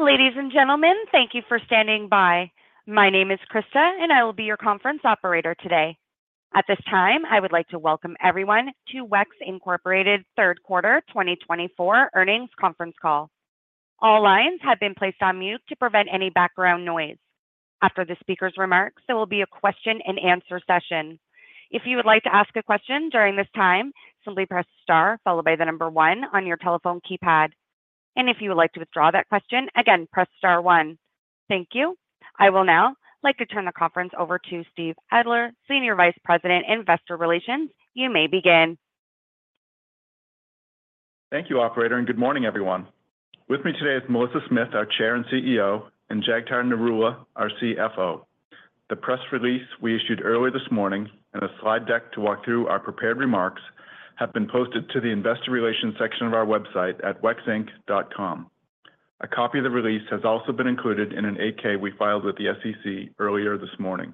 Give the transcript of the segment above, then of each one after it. Ladies and gentlemen, thank you for standing by. My name is Krista, and I will be your conference operator today. At this time, I would like to welcome everyone to WEX Incorporated Third Quarter 2024 Earnings Conference Call. All lines have been placed on mute to prevent any background noise. After the speaker's remarks, there will be a question-and-answer session. If you would like to ask a question during this time, simply press star followed by the number one on your telephone keypad, and if you would like to withdraw that question, again, press star one. Thank you. I will now like to turn the conference over to Steve Elder, Senior Vice President, Investor Relations. You may begin. Thank you, operator, and good morning, everyone. With me today is Melissa Smith, our Chair and CEO, and Jagtar Narula, our CFO. The press release we issued earlier this morning and a slide deck to walk through our prepared remarks have been posted to the Investor Relations section of our website at wexinc.com. A copy of the release has also been included in an 8-K we filed with the SEC earlier this morning.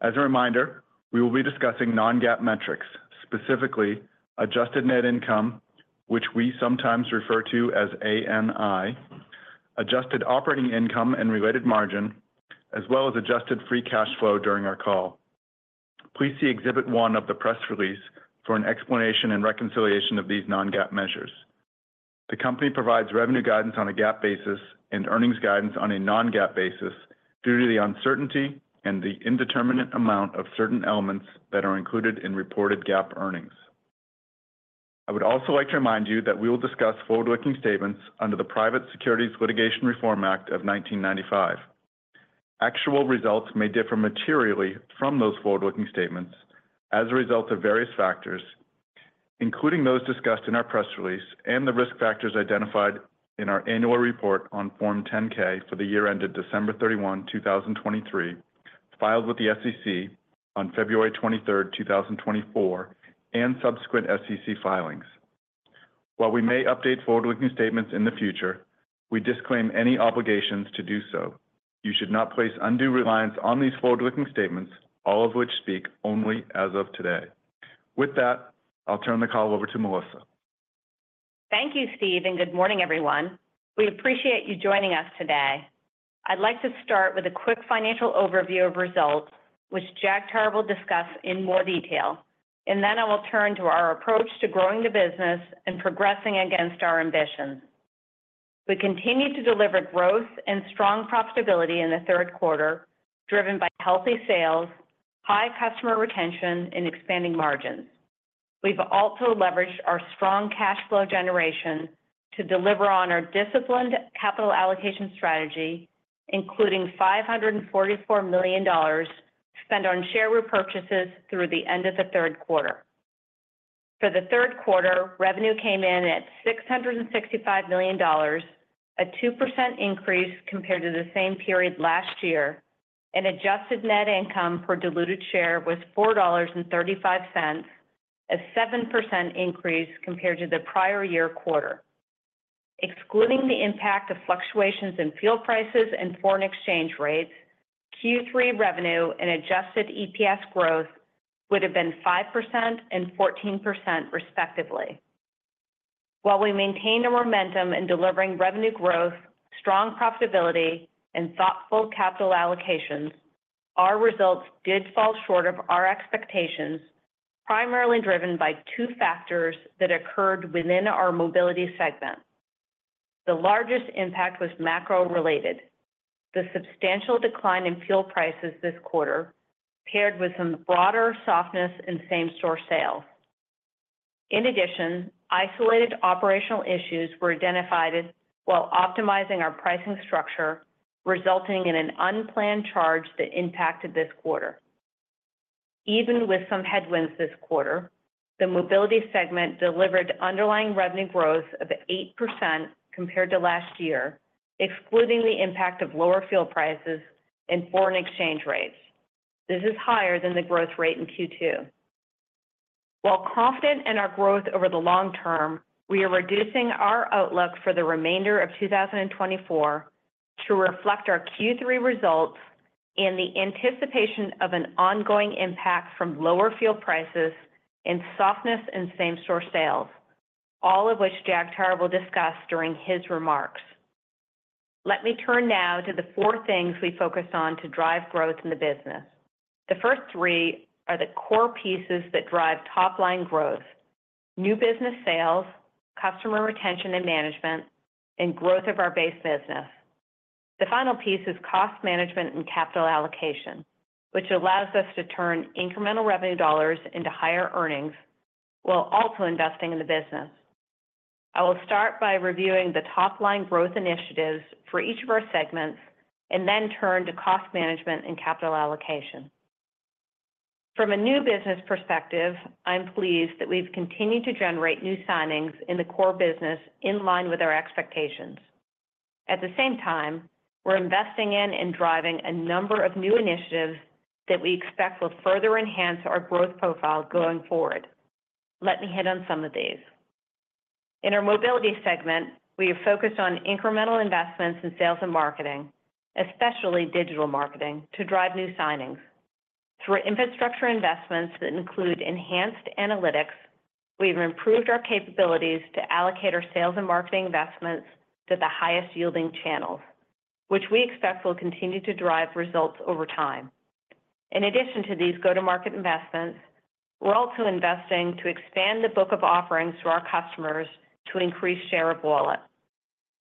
As a reminder, we will be discussing non-GAAP metrics, specifically adjusted net income, which we sometimes refer to as ANI, adjusted operating income and related margin, as well as adjusted free cash flow during our call. Please see Exhibit 1 of the press release for an explanation and reconciliation of these non-GAAP measures. The company provides revenue guidance on a GAAP basis and earnings guidance on a non-GAAP basis due to the uncertainty and the indeterminate amount of certain elements that are included in reported GAAP earnings. I would also like to remind you that we will discuss forward-looking statements under the Private Securities Litigation Reform Act of 1995. Actual results may differ materially from those forward-looking statements as a result of various factors, including those discussed in our press release and the risk factors identified in our annual report on Form 10-K for the year ended December 31st, 2023, filed with the SEC on February 23rd, 2024, and subsequent SEC filings. While we may update forward-looking statements in the future, we disclaim any obligations to do so. You should not place undue reliance on these forward-looking statements, all of which speak only as of today. With that, I'll turn the call over to Melissa. Thank you, Steve, and good morning, everyone. We appreciate you joining us today. I'd like to start with a quick financial overview of results, which Jagtar will discuss in more detail, and then I will turn to our approach to growing the business and progressing against our ambitions. We continued to deliver growth and strong profitability in the third quarter, driven by healthy sales, high customer retention, and expanding margins. We've also leveraged our strong cash flow generation to deliver on our disciplined capital allocation strategy, including $544 million spent on share repurchases through the end of the third quarter. For the third quarter, revenue came in at $665 million, a 2% increase compared to the same period last year, and adjusted net income per diluted share was $4.35, a 7% increase compared to the prior year quarter. Excluding the impact of fluctuations in fuel prices and foreign exchange rates, Q3 revenue and adjusted EPS growth would have been 5% and 14%, respectively. While we maintained a momentum in delivering revenue growth, strong profitability, and thoughtful capital allocations, our results did fall short of our expectations, primarily driven by two factors that occurred within our Mobility segment. The largest impact was macro-related. The substantial decline in fuel prices this quarter, paired with some broader softness in same-store sales. In addition, isolated operational issues were identified as while optimizing our pricing structure, resulting in an unplanned charge that impacted this quarter. Even with some headwinds this quarter, the Mobility segment delivered underlying revenue growth of 8% compared to last year, excluding the impact of lower fuel prices and foreign exchange rates. This is higher than the growth rate in Q2. While confident in our growth over the long term, we are reducing our outlook for the remainder of 2024 to reflect our Q3 results and the anticipation of an ongoing impact from lower fuel prices and softness in same-store sales, all of which Jagtar will discuss during his remarks. Let me turn now to the four things we focused on to drive growth in the business. The first three are the core pieces that drive top-line growth: new business sales, customer retention and management, and growth of our base business. The final piece is cost management and capital allocation, which allows us to turn incremental revenue dollars into higher earnings while also investing in the business. I will start by reviewing the top-line growth initiatives for each of our segments and then turn to cost management and capital allocation. From a new business perspective, I'm pleased that we've continued to generate new signings in the core business in line with our expectations. At the same time, we're investing in and driving a number of new initiatives that we expect will further enhance our growth profile going forward. Let me hit on some of these. In our Mobility segment, we have focused on incremental investments in sales and marketing, especially digital marketing, to drive new signings.... Through our infrastructure investments that include enhanced analytics, we've improved our capabilities to allocate our sales and marketing investments to the highest-yielding channels, which we expect will continue to drive results over time. In addition to these go-to-market investments, we're also investing to expand the book of offerings to our customers to increase share of wallet.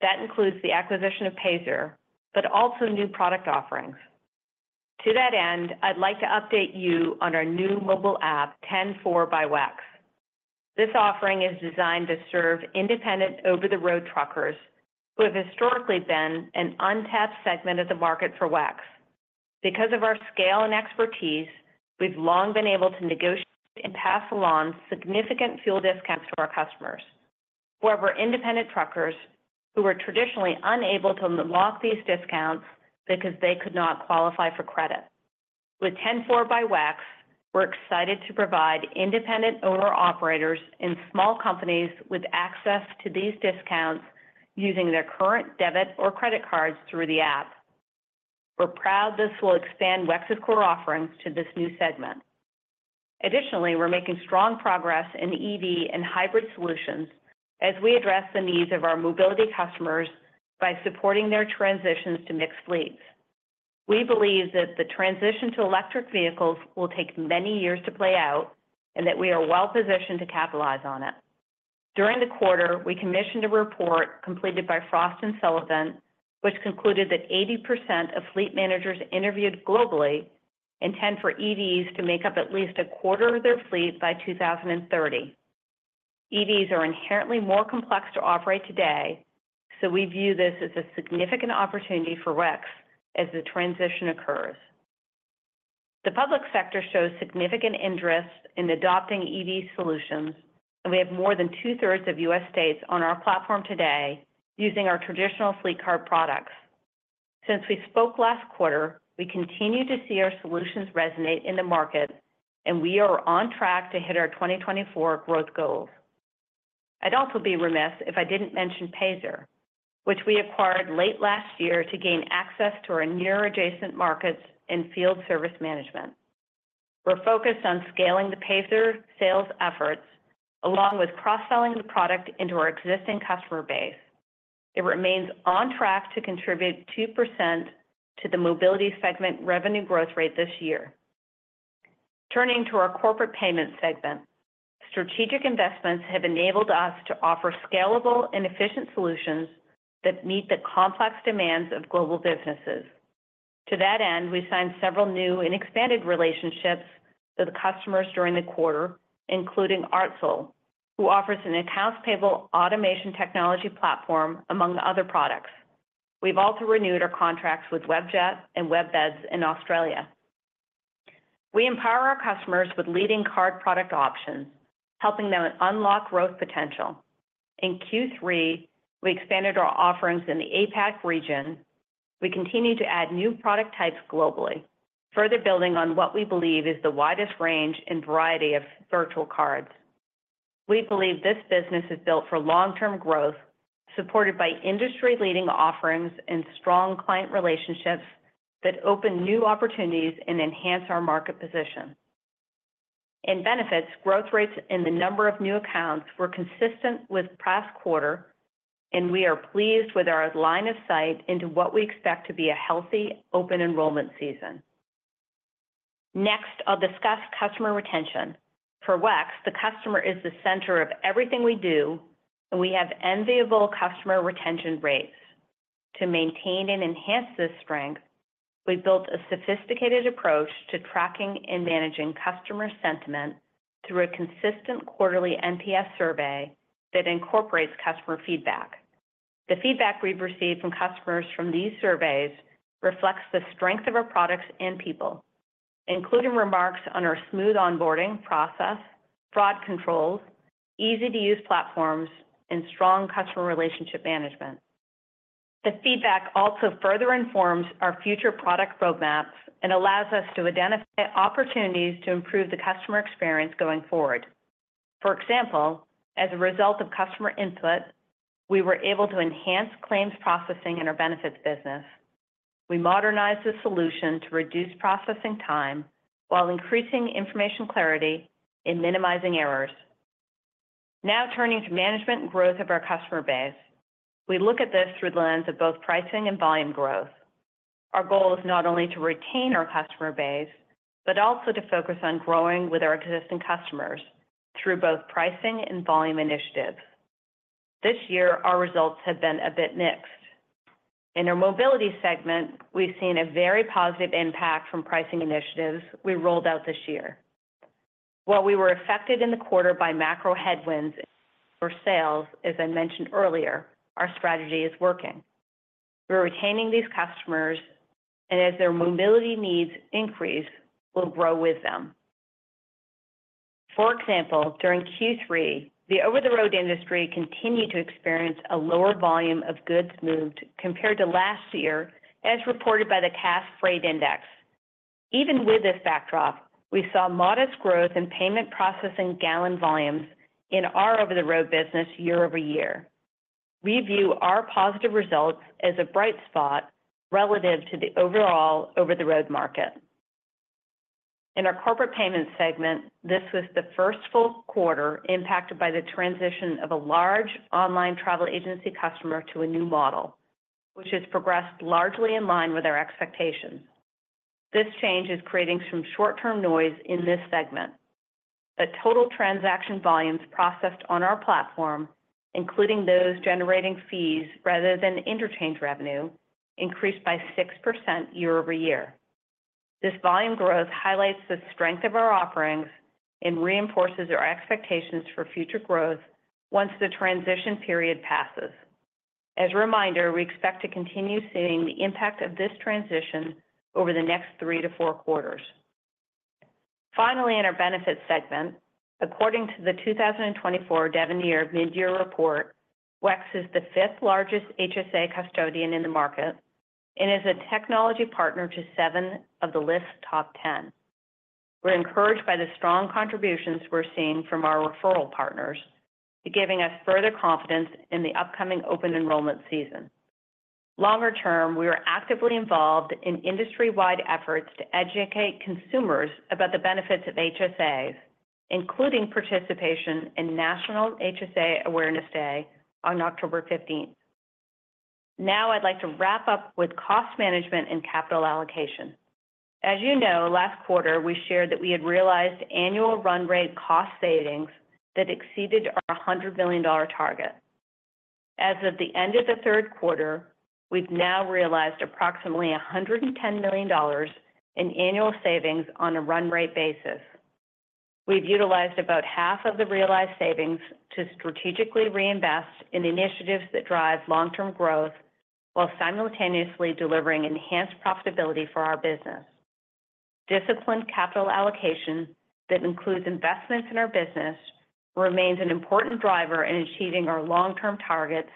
That includes the acquisition of Payzer, but also new product offerings. To that end, I'd like to update you on our new mobile app, 10-4 by WEX. This offering is designed to serve independent over-the-road truckers who have historically been an untapped segment of the market for WEX. Because of our scale and expertise, we've long been able to negotiate and pass along significant fuel discounts to our customers. However, independent truckers who were traditionally unable to unlock these discounts because they could not qualify for credit. With 10-4 by WEX, we're excited to provide independent owner-operators and small companies with access to these discounts using their current debit or credit cards through the app. We're proud this will expand WEX's core offerings to this new segment. Additionally, we're making strong progress in EV and hybrid solutions as we address the needs of our Mobility customers by supporting their transitions to mixed fleets. We believe that the transition to electric vehicles will take many years to play out and that we are well positioned to capitalize on it. During the quarter, we commissioned a report completed by Frost & Sullivan, which concluded that 80% of fleet managers interviewed globally intend for EVs to make up at least a quarter of their fleet by 2030. EVs are inherently more complex to operate today, so we view this as a significant opportunity for WEX as the transition occurs. The public sector shows significant interest in adopting EV solutions, and we have more than two-thirds of U.S. states on our platform today using our traditional fleet card products. Since we spoke last quarter, we continue to see our solutions resonate in the market, and we are on track to hit our 2024 growth goals. I'd also be remiss if I didn't mention Payzer, which we acquired late last year to gain access to our near adjacent markets in field service management. We're focused on scaling the Payzer sales efforts, along with cross-selling the product into our existing customer base. It remains on track to contribute 2% to the Mobility segment revenue growth rate this year. Turning to our Corporate Payments segment, strategic investments have enabled us to offer scalable and efficient solutions that meet the complex demands of global businesses. To that end, we signed several new and expanded relationships to the customers during the quarter, including Artsyl, who offers an accounts payable automation technology platform, among other products. We've also renewed our contracts with Webjet and WebBeds in Australia. We empower our customers with leading card product options, helping them unlock growth potential. In Q3, we expanded our offerings in the APAC region. We continue to add new product types globally, further building on what we believe is the widest range and variety of virtual cards. We believe this business is built for long-term growth, supported by industry-leading offerings and strong client relationships that open new opportunities and enhance our market position. In benefits, growth rates in the number of new accounts were consistent with past quarter, and we are pleased with our line of sight into what we expect to be a healthy open enrollment season. Next, I'll discuss customer retention. For WEX, the customer is the center of everything we do, and we have enviable customer retention rates. To maintain and enhance this strength, we've built a sophisticated approach to tracking and managing customer sentiment through a consistent quarterly NPS survey that incorporates customer feedback. The feedback we've received from customers from these surveys reflects the strength of our products and people, including remarks on our smooth onboarding process, fraud controls, easy-to-use platforms, and strong customer relationship management. The feedback also further informs our future product roadmaps and allows us to identify opportunities to improve the customer experience going forward. For example, as a result of customer input, we were able to enhance claims processing in our Benefits business. We modernized this solution to reduce processing time while increasing information clarity and minimizing errors. Now turning to management and growth of our customer base. We look at this through the lens of both pricing and volume growth. Our goal is not only to retain our customer base, but also to focus on growing with our existing customers through both pricing and volume initiatives. This year, our results have been a bit mixed. In our Mobility segment, we've seen a very positive impact from pricing initiatives we rolled out this year. While we were affected in the quarter by macro headwinds for sales, as I mentioned earlier, our strategy is working. We're retaining these customers, and as their mobility needs increase, we'll grow with them. For example, during Q3, the over-the-road industry continued to experience a lower volume of goods moved compared to last year, as reported by the Cass Freight Index. Even with this backdrop, we saw modest growth in payment processing gallon volumes in our over-the-road business year over year. We view our positive results as a bright spot relative to the overall over-the-road market. In our Corporate Payments segment, this was the first full quarter impacted by the transition of a large online travel agency customer to a new model, which has progressed largely in line with our expectations. This change is creating some short-term noise in this segment. The total transaction volumes processed on our platform, including those generating fees rather than interchange revenue, increased by 6% year over year. This volume growth highlights the strength of our offerings and reinforces our expectations for future growth once the transition period passes. As a reminder, we expect to continue seeing the impact of this transition over the next three to four quarters. Finally, in our Benefits segment, according to the 2024 Devenir Midyear Report, WEX is the fifth largest HSA custodian in the market and is a technology partner to seven of the top ten. We're encouraged by the strong contributions we're seeing from our referral partners, giving us further confidence in the upcoming open enrollment season. Longer term, we are actively involved in industry-wide efforts to educate consumers about the Benefits of HSAs, including participation in National HSA Awareness Day on October 15th. Now, I'd like to wrap up with cost management and capital allocation. As you know, last quarter, we shared that we had realized annual run rate cost savings that exceeded our $100 million target. As of the end of the third quarter, we've now realized approximately $110 million in annual savings on a run rate basis. We've utilized about half of the realized savings to strategically reinvest in initiatives that drive long-term growth while simultaneously delivering enhanced profitability for our business. Disciplined capital allocation that includes investments in our business remains an important driver in achieving our long-term targets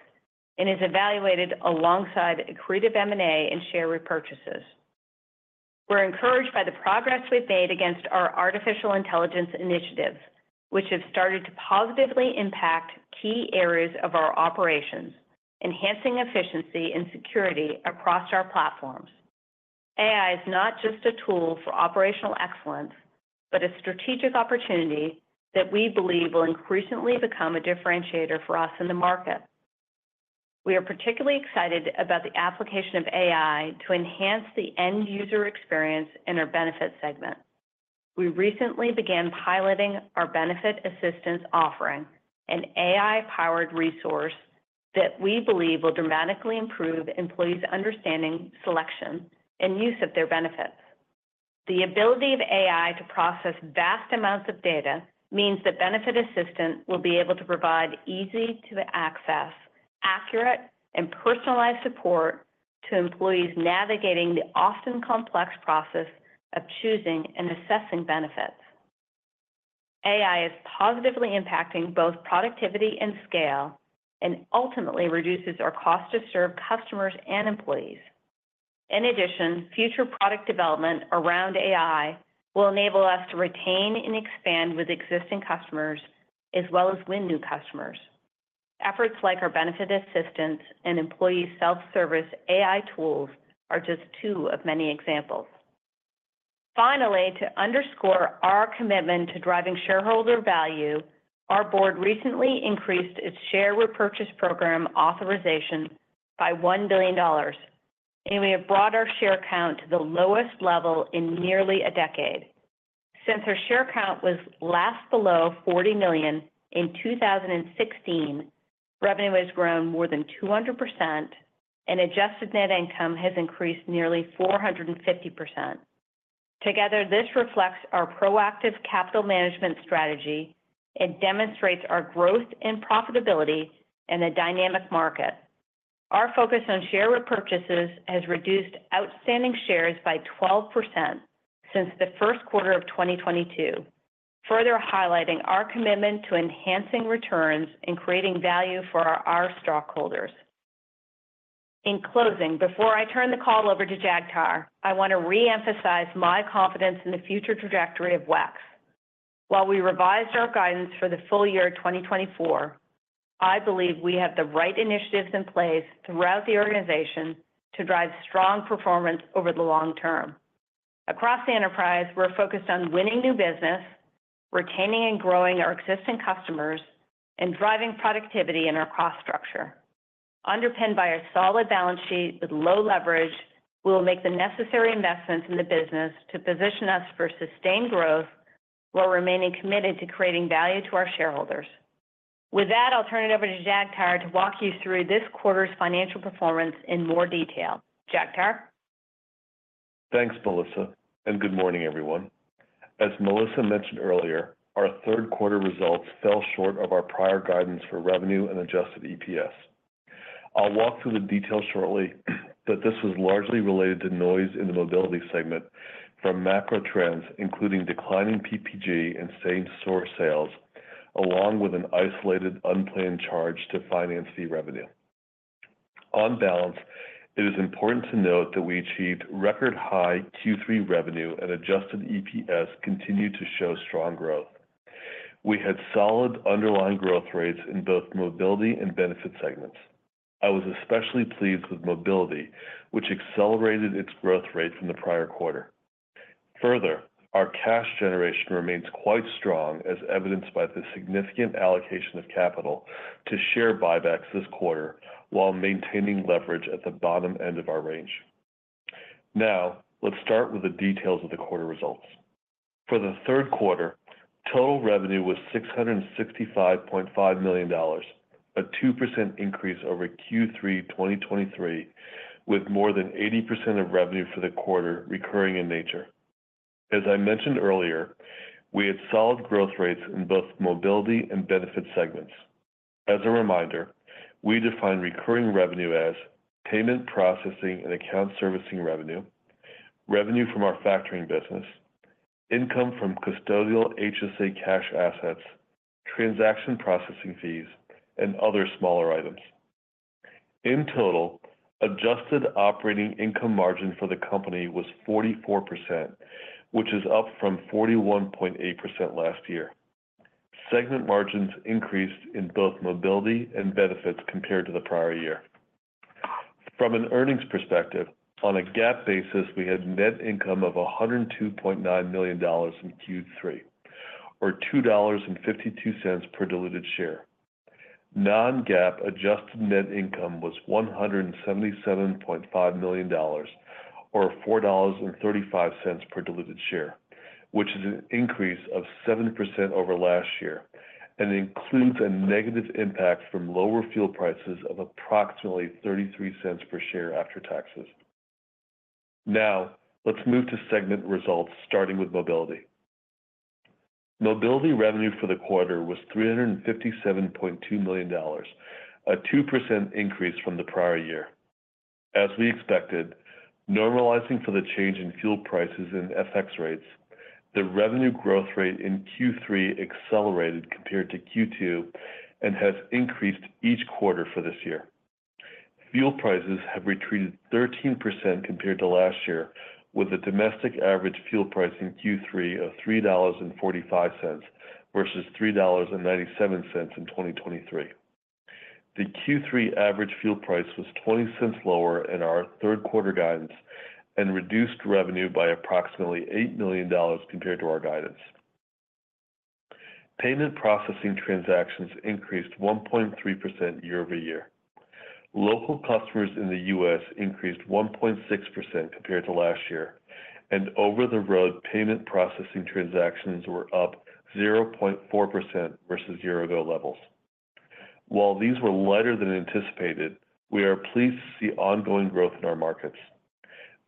and is evaluated alongside accretive M&A and share repurchases. We're encouraged by the progress we've made against our artificial intelligence initiatives, which have started to positively impact key areas of our operations, enhancing efficiency and security across our platforms. AI is not just a tool for operational excellence, but a strategic opportunity that we believe will increasingly become a differentiator for us in the market. We are particularly excited about the application of AI to enhance the end-user experience in our Benefits segment. We recently began piloting our Benefits Assistant offering, an AI-powered resource that we believe will dramatically improve employees' understanding, selection, and use of their Benefits. The ability of AI to process vast amounts of data means that Benefits Assistant will be able to provide easy-to-access, accurate, and personalized support to employees navigating the often complex process of choosing and assessing Benefits. AI is positively impacting both productivity and scale and ultimately reduces our cost to serve customers and employees. In addition, future product development around AI will enable us to retain and expand with existing customers, as well as win new customers. Efforts like our Benefits Assistant and employee self-service AI tools are just two of many examples. Finally, to underscore our commitment to driving shareholder value, our board recently increased its share repurchase program authorization by $1 billion, and we have brought our share count to the lowest level in nearly a decade. Since our share count was last below 40 million in 2016, revenue has grown more than 200%, and adjusted net income has increased nearly 450%. Together, this reflects our proactive capital management strategy and demonstrates our growth and profitability in a dynamic market. Our focus on share repurchases has reduced outstanding shares by 12% since the first quarter of 2022, further highlighting our commitment to enhancing returns and creating value for our stockholders. In closing, before I turn the call over to Jagtar, I want to reemphasize my confidence in the future trajectory of WEX. While we revised our guidance for the full year 2024, I believe we have the right initiatives in place throughout the organization to drive strong performance over the long term. Across the enterprise, we're focused on winning new business, retaining and growing our existing customers, and driving productivity in our cost structure. Underpinned by a solid balance sheet with low leverage, we will make the necessary investments in the business to position us for sustained growth while remaining committed to creating value to our shareholders. With that, I'll turn it over to Jagtar to walk you through this quarter's financial performance in more detail. Jagtar? Thanks, Melissa, and good morning, everyone. As Melissa mentioned earlier, our third quarter results fell short of our prior guidance for revenue and adjusted EPS. I'll walk through the details shortly, but this was largely related to noise in the mobility segment from macro trends, including declining PPG and same-store sales, along with an isolated, unplanned charge to finance fee revenue. On balance, it is important to note that we achieved record high Q3 revenue and adjusted EPS continued to show strong growth. We had solid underlying growth rates in both Mobility and Benefits segments. I was especially pleased with Mobility, which accelerated its growth rate from the prior quarter. Further, our cash generation remains quite strong, as evidenced by the significant allocation of capital to share buybacks this quarter, while maintaining leverage at the bottom end of our range. Now, let's start with the details of the quarter results. For the third quarter, total revenue was $665.5 million, a 2% increase over Q3 2023, with more than 80% of revenue for the quarter recurring in nature. As I mentioned earlier, we had solid growth rates in both Mobility and Benefits segments. As a reminder, we define recurring revenue as payment processing and account servicing revenue, revenue from our factoring business, income from custodial HSA cash assets, transaction processing fees, and other smaller items. In total, adjusted operating income margin for the company was 44%, which is up from 41.8% last year. Segment margins increased in both Mobility and Benefits compared to the prior year. From an earnings perspective, on a GAAP basis, we had net income of $102.9 million in Q3, or $2.52 per diluted share. Non-GAAP adjusted net income was $177.5 million, or $4.35 per diluted share, which is an increase of 7% over last year, and includes a negative impact from lower fuel prices of approximately 33 cents per share after taxes. Now, let's move to segment results, starting with Mobility. Mobility revenue for the quarter was $357.2 million, a 2% increase from the prior year. As we expected, normalizing for the change in fuel prices and FX rates, the revenue growth rate in Q3 accelerated compared to Q2 and has increased each quarter for this year. Fuel prices have retreated 13% compared to last year, with a domestic average fuel price in Q3 of $3.45 vs $3.97 in 2023. The Q3 average fuel price was $0.20 lower in our third quarter guidance and reduced revenue by approximately $8 million compared to our guidance. Payment processing transactions increased 1.3% year over year. Local customers in the U.S. increased 1.6% compared to last year, and over-the-road payment processing transactions were up 0.4% versus year-over-year levels. While these were lighter than anticipated, we are pleased to see ongoing growth in our markets.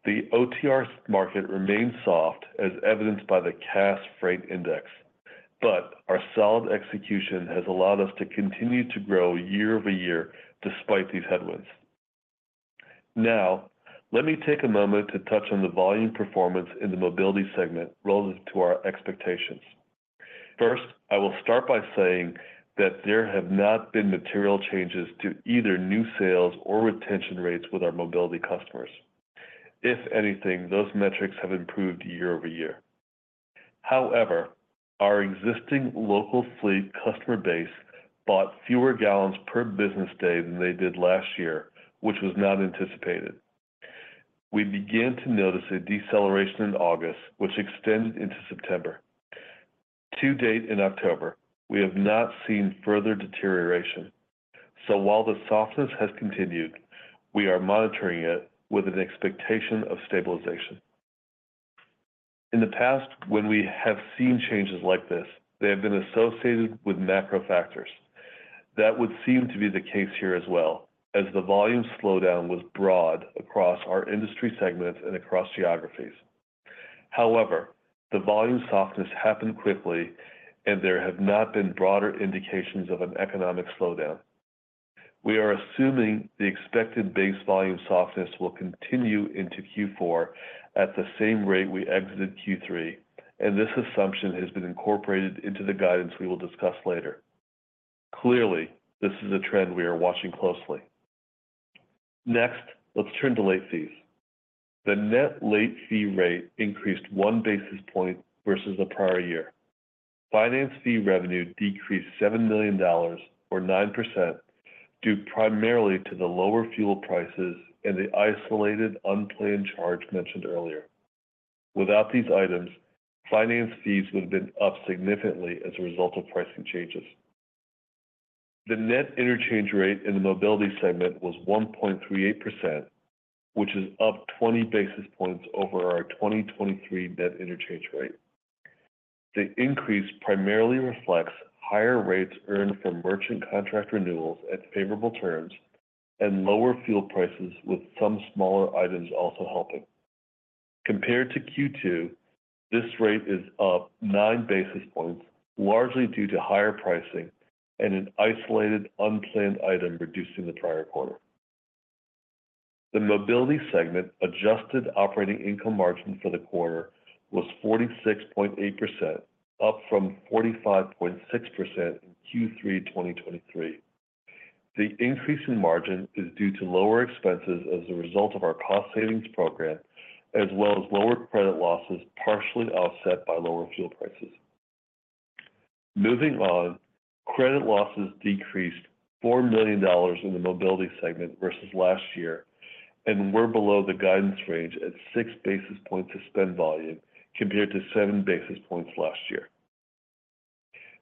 The OTR market remains soft, as evidenced by the Cass Freight Index, but our solid execution has allowed us to continue to grow year over year despite these headwinds. Now, let me take a moment to touch on the volume performance in the Mobility segment relative to our expectations. First, I will start by saying that there have not been material changes to either new sales or retention rates with our Mobility customers. If anything, those metrics have improved year over year. However, our existing local fleet customer base bought fewer gallons per business day than they did last year, which was not anticipated. We began to notice a deceleration in August, which extended into September. To date, in October, we have not seen further deterioration. So while the softness has continued, we are monitoring it with an expectation of stabilization. In the past, when we have seen changes like this, they have been associated with macro factors. That would seem to be the case here as well, as the volume slowdown was broad across our industry segments and across geographies. However, the volume softness happened quickly, and there have not been broader indications of an economic slowdown. We are assuming the expected base volume softness will continue into Q4 at the same rate we exited Q3, and this assumption has been incorporated into the guidance we will discuss later. Clearly, this is a trend we are watching closely. Next, let's turn to late fees. The net late fee rate increased one basis point versus the prior year. Finance fee revenue decreased $7 million or 9%, due primarily to the lower fuel prices and the isolated, unplanned charge mentioned earlier. Without these items, finance fees would have been up significantly as a result of pricing changes. The net interchange rate in the Mobility segment was 1.38%, which is up 20 basis points over our 2023 net interchange rate. The increase primarily reflects higher rates earned from merchant contract renewals at favorable terms and lower fuel prices, with some smaller items also helping. Compared to Q2, this rate is up nine basis points, largely due to higher pricing and an isolated, unplanned item reducing the prior quarter. The Mobility segment adjusted operating income margin for the quarter was 46.8%, up from 45.6% in Q3 2023. The increase in margin is due to lower expenses as a result of our cost savings program, as well as lower credit losses, partially offset by lower fuel prices. Moving on, credit losses decreased $4 million in the Mobility segment versus last year, and were below the guidance range at six basis points of spend volume, compared to seven basis points last year.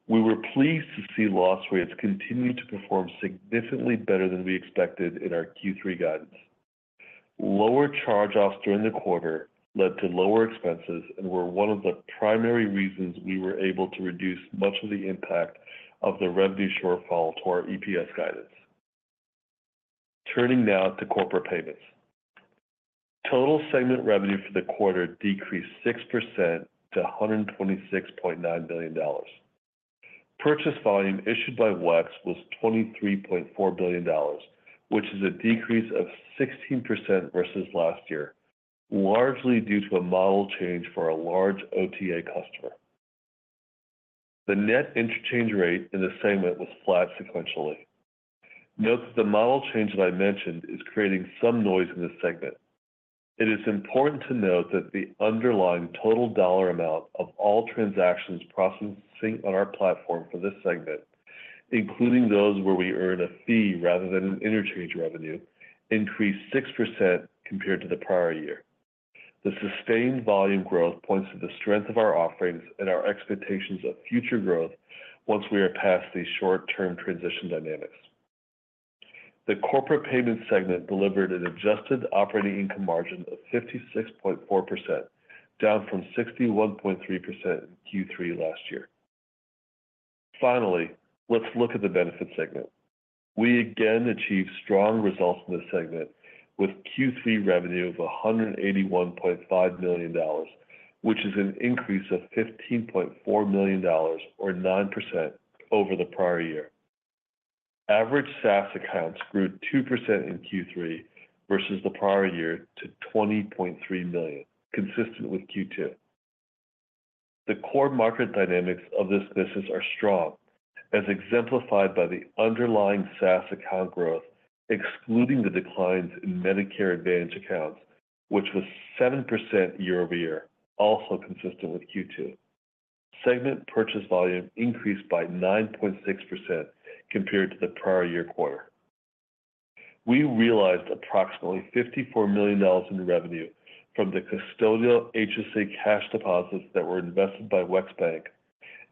We were pleased to see loss rates continue to perform significantly better than we expected in our Q3 guidance. Lower charge-offs during the quarter led to lower expenses and were one of the primary reasons we were able to reduce much of the impact of the revenue shortfall to our EPS guidance. Turning now to Corporate Payments. Total segment revenue for the quarter decreased 6% to $126.9 million. Purchase volume issued by WEX was $23.4 billion, which is a decrease of 16% versus last year, largely due to a model change for a large OTA customer. The net interchange rate in this segment was flat sequentially. Note that the model change that I mentioned is creating some noise in this segment. It is important to note that the underlying total dollar amount of all transactions processing on our platform for this segment, including those where we earn a fee rather than an interchange revenue, increased 6% compared to the prior year. The sustained volume growth points to the strength of our offerings and our expectations of future growth once we are past these short-term transition dynamics. The Corporate Payments segment delivered an adjusted operating income margin of 56.4%, down from 61.3% in Q3 last year. Finally, let's look at the Benefits segment. We again achieved strong results in this segment with Q3 revenue of $181.5 million, which is an increase of $15.4 million or 9% over the prior year. Average SaaS accounts grew 2% in Q3 versus the prior year to 20.3 million, consistent with Q2. The core market dynamics of this business are strong, as exemplified by the underlying SaaS account growth, excluding the declines in Medicare Advantage accounts, which was 7% year-over-year, also consistent with Q2. Segment purchase volume increased by 9.6% compared to the prior year quarter. We realized approximately $54 million in revenue from the custodial HSA cash deposits that were invested by WEX Bank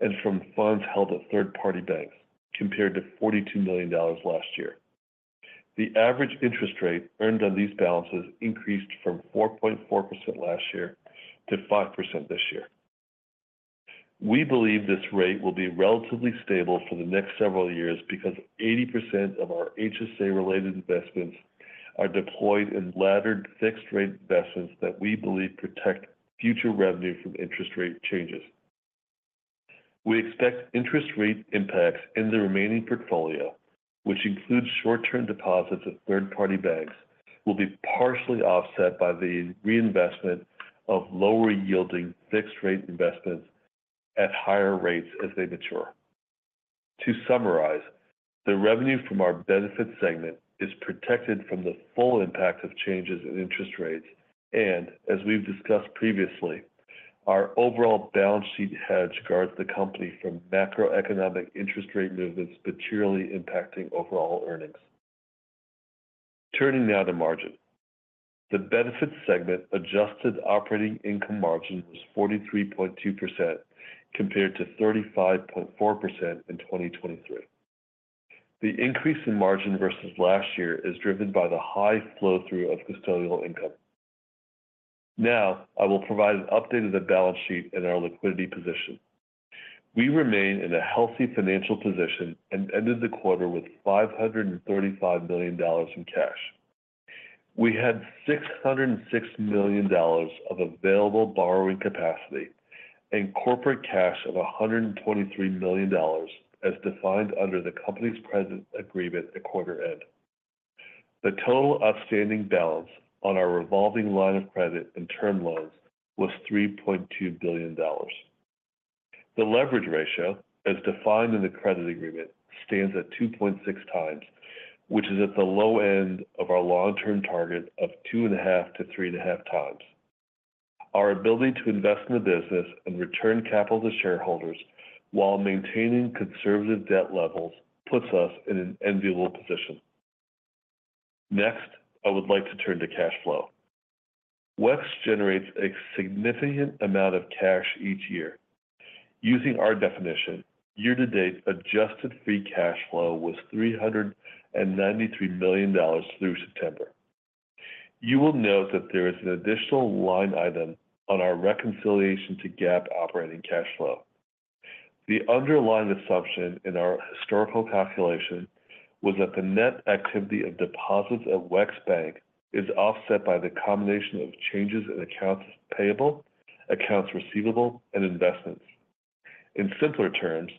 and from funds held at third-party banks, compared to $42 million last year. The average interest rate earned on these balances increased from 4.4% last year to 5% this year. We believe this rate will be relatively stable for the next several years because 80% of our HSA-related investments are deployed in laddered fixed-rate investments that we believe protect future revenue from interest rate changes. We expect interest rate impacts in the remaining portfolio, which includes short-term deposits of third-party banks, will be partially offset by the reinvestment of lower-yielding fixed-rate investments at higher rates as they mature. To summarize, the revenue from our Benefits segment is protected from the full impact of changes in interest rates, and as we've discussed previously, our overall balance sheet hedge guards the company from macroeconomic interest rate movements materially impacting overall earnings. Turning now to margin. The Benefits segment adjusted operating income margin was 43.2% compared to 35.4% in 2023. The increase in margin versus last year is driven by the high flow-through of custodial income. Now, I will provide an update of the balance sheet and our liquidity position. We remain in a healthy financial position and ended the quarter with $535 million in cash. We had $606 million of available borrowing capacity and corporate cash of $123 million, as defined under the company's present agreement at quarter end. The total outstanding balance on our revolving line of credit and term loans was $3.2 billion. The leverage ratio, as defined in the credit agreement, stands at 2.6 times, which is at the low end of our long-term target of 2.5-3.5 times. Our ability to invest in the business and return capital to shareholders while maintaining conservative debt levels puts us in an enviable position. Next, I would like to turn to cash flow. WEX generates a significant amount of cash each year. Using our definition, year-to-date adjusted free cash flow was $393 million through September. You will note that there is an additional line item on our reconciliation to GAAP operating cash flow. The underlying assumption in our historical calculation was that the net activity of deposits at WEX Bank is offset by the combination of changes in accounts payable, accounts receivable, and investments. In simpler terms,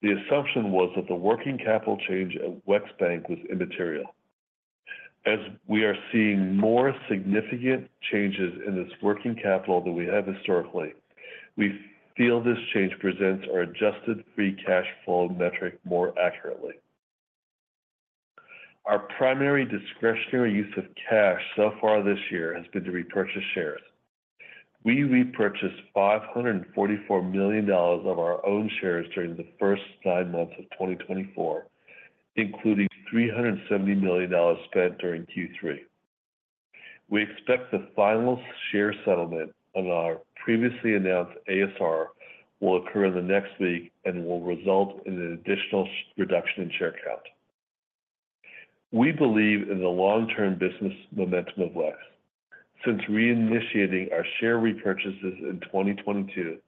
the assumption was that the working capital change at WEX Bank was immaterial. As we are seeing more significant changes in this working capital than we have historically, we feel this change presents our adjusted free cash flow metric more accurately. Our primary discretionary use of cash so far this year has been to repurchase shares. We repurchased $544 million of our own shares during the first nine months of 2024, including $370 million spent during Q3. We expect the final share settlement on our previously announced ASR will occur in the next week and will result in an additional reduction in share count. We believe in the long-term business momentum of WEX. Since reinitiating our share repurchases in 2022,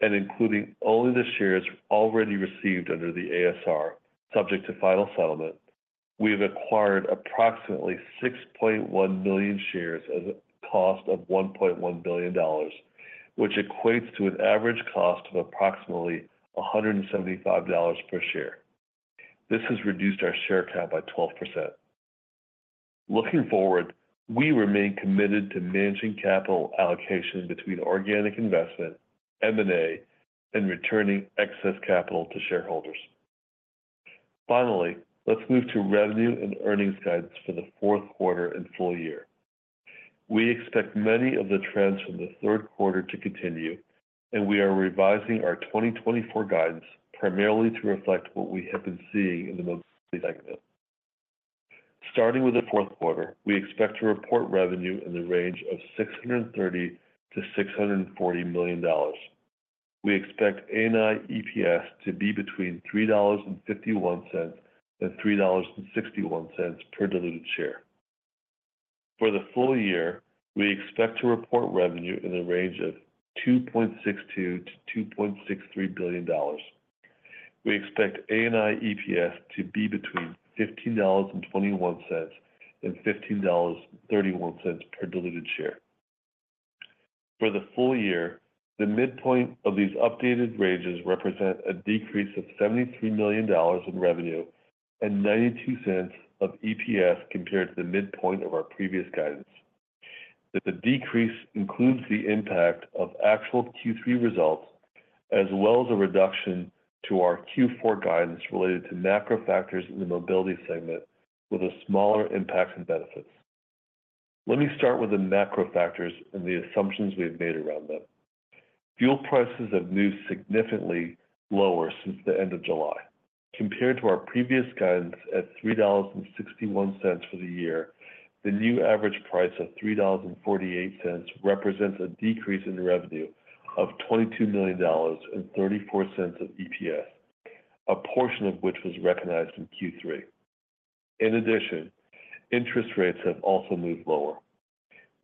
and including only the shares already received under the ASR, subject to final settlement, we have acquired approximately 6.1 million shares at a cost of $1.1 billion, which equates to an average cost of approximately $175 per share. This has reduced our share count by 12%. Looking forward, we remain committed to managing capital allocation between organic investment, M&A, and returning excess capital to shareholders. Finally, let's move to revenue and earnings guidance for the fourth quarter and full year. We expect many of the trends from the third quarter to continue, and we are revising our 2024 guidance primarily to reflect what we have been seeing in the Mobility segment. Starting with the fourth quarter, we expect to report revenue in the range of $630 million-$640 million. We expect ANI EPS to be between $3.51 and $3.61 per diluted share. For the full year, we expect to report revenue in the range of $2.62 billion-$2.63 billion. We expect ANI EPS to be between $15.21 and $15.31 per diluted share. For the full year, the midpoint of these updated ranges represent a decrease of $73 million in revenue and $0.92 of EPS compared to the midpoint of our previous guidance. The decrease includes the impact of actual Q3 results, as well as a reduction to our Q4 guidance related to macro factors in the Mobility segment, with a smaller impact and benefits. Let me start with the macro factors and the assumptions we have made around them. Fuel prices have moved significantly lower since the end of July. Compared to our previous guidance at $3.61 for the year, the new average price of $3.48 represents a decrease in revenue of $22 million and $0.34 of EPS, a portion of which was recognized in Q3. In addition, interest rates have also moved lower.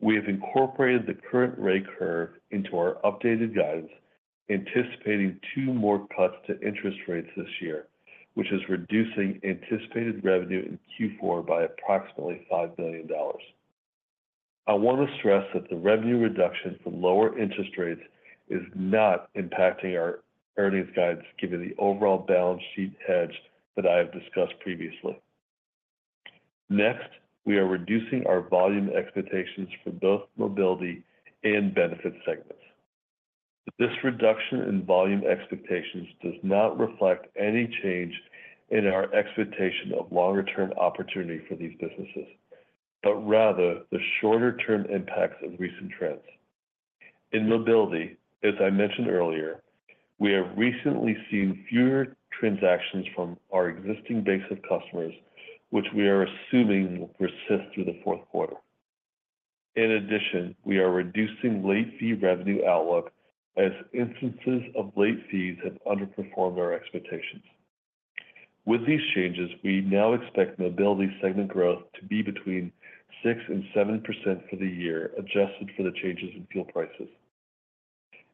We have incorporated the current rate curve into our updated guidance, anticipating two more cuts to interest rates this year, which is reducing anticipated revenue in Q4 by approximately $5 million. I want to stress that the revenue reduction from lower interest rates is not impacting our earnings guidance, given the overall balance sheet hedge that I have discussed previously. Next, we are reducing our volume expectations for both Mobility and Benefits segments. This reduction in volume expectations does not reflect any change in our expectation of longer-term opportunity for these businesses, but rather the shorter-term impacts of recent trends. In Mobility, as I mentioned earlier, we have recently seen fewer transactions from our existing base of customers, which we are assuming will persist through the fourth quarter. In addition, we are reducing late fee revenue outlook as instances of late fees have underperformed our expectations. With these changes, we now expect Mobility segment growth to be between 6% and 7% for the year, adjusted for the changes in fuel prices.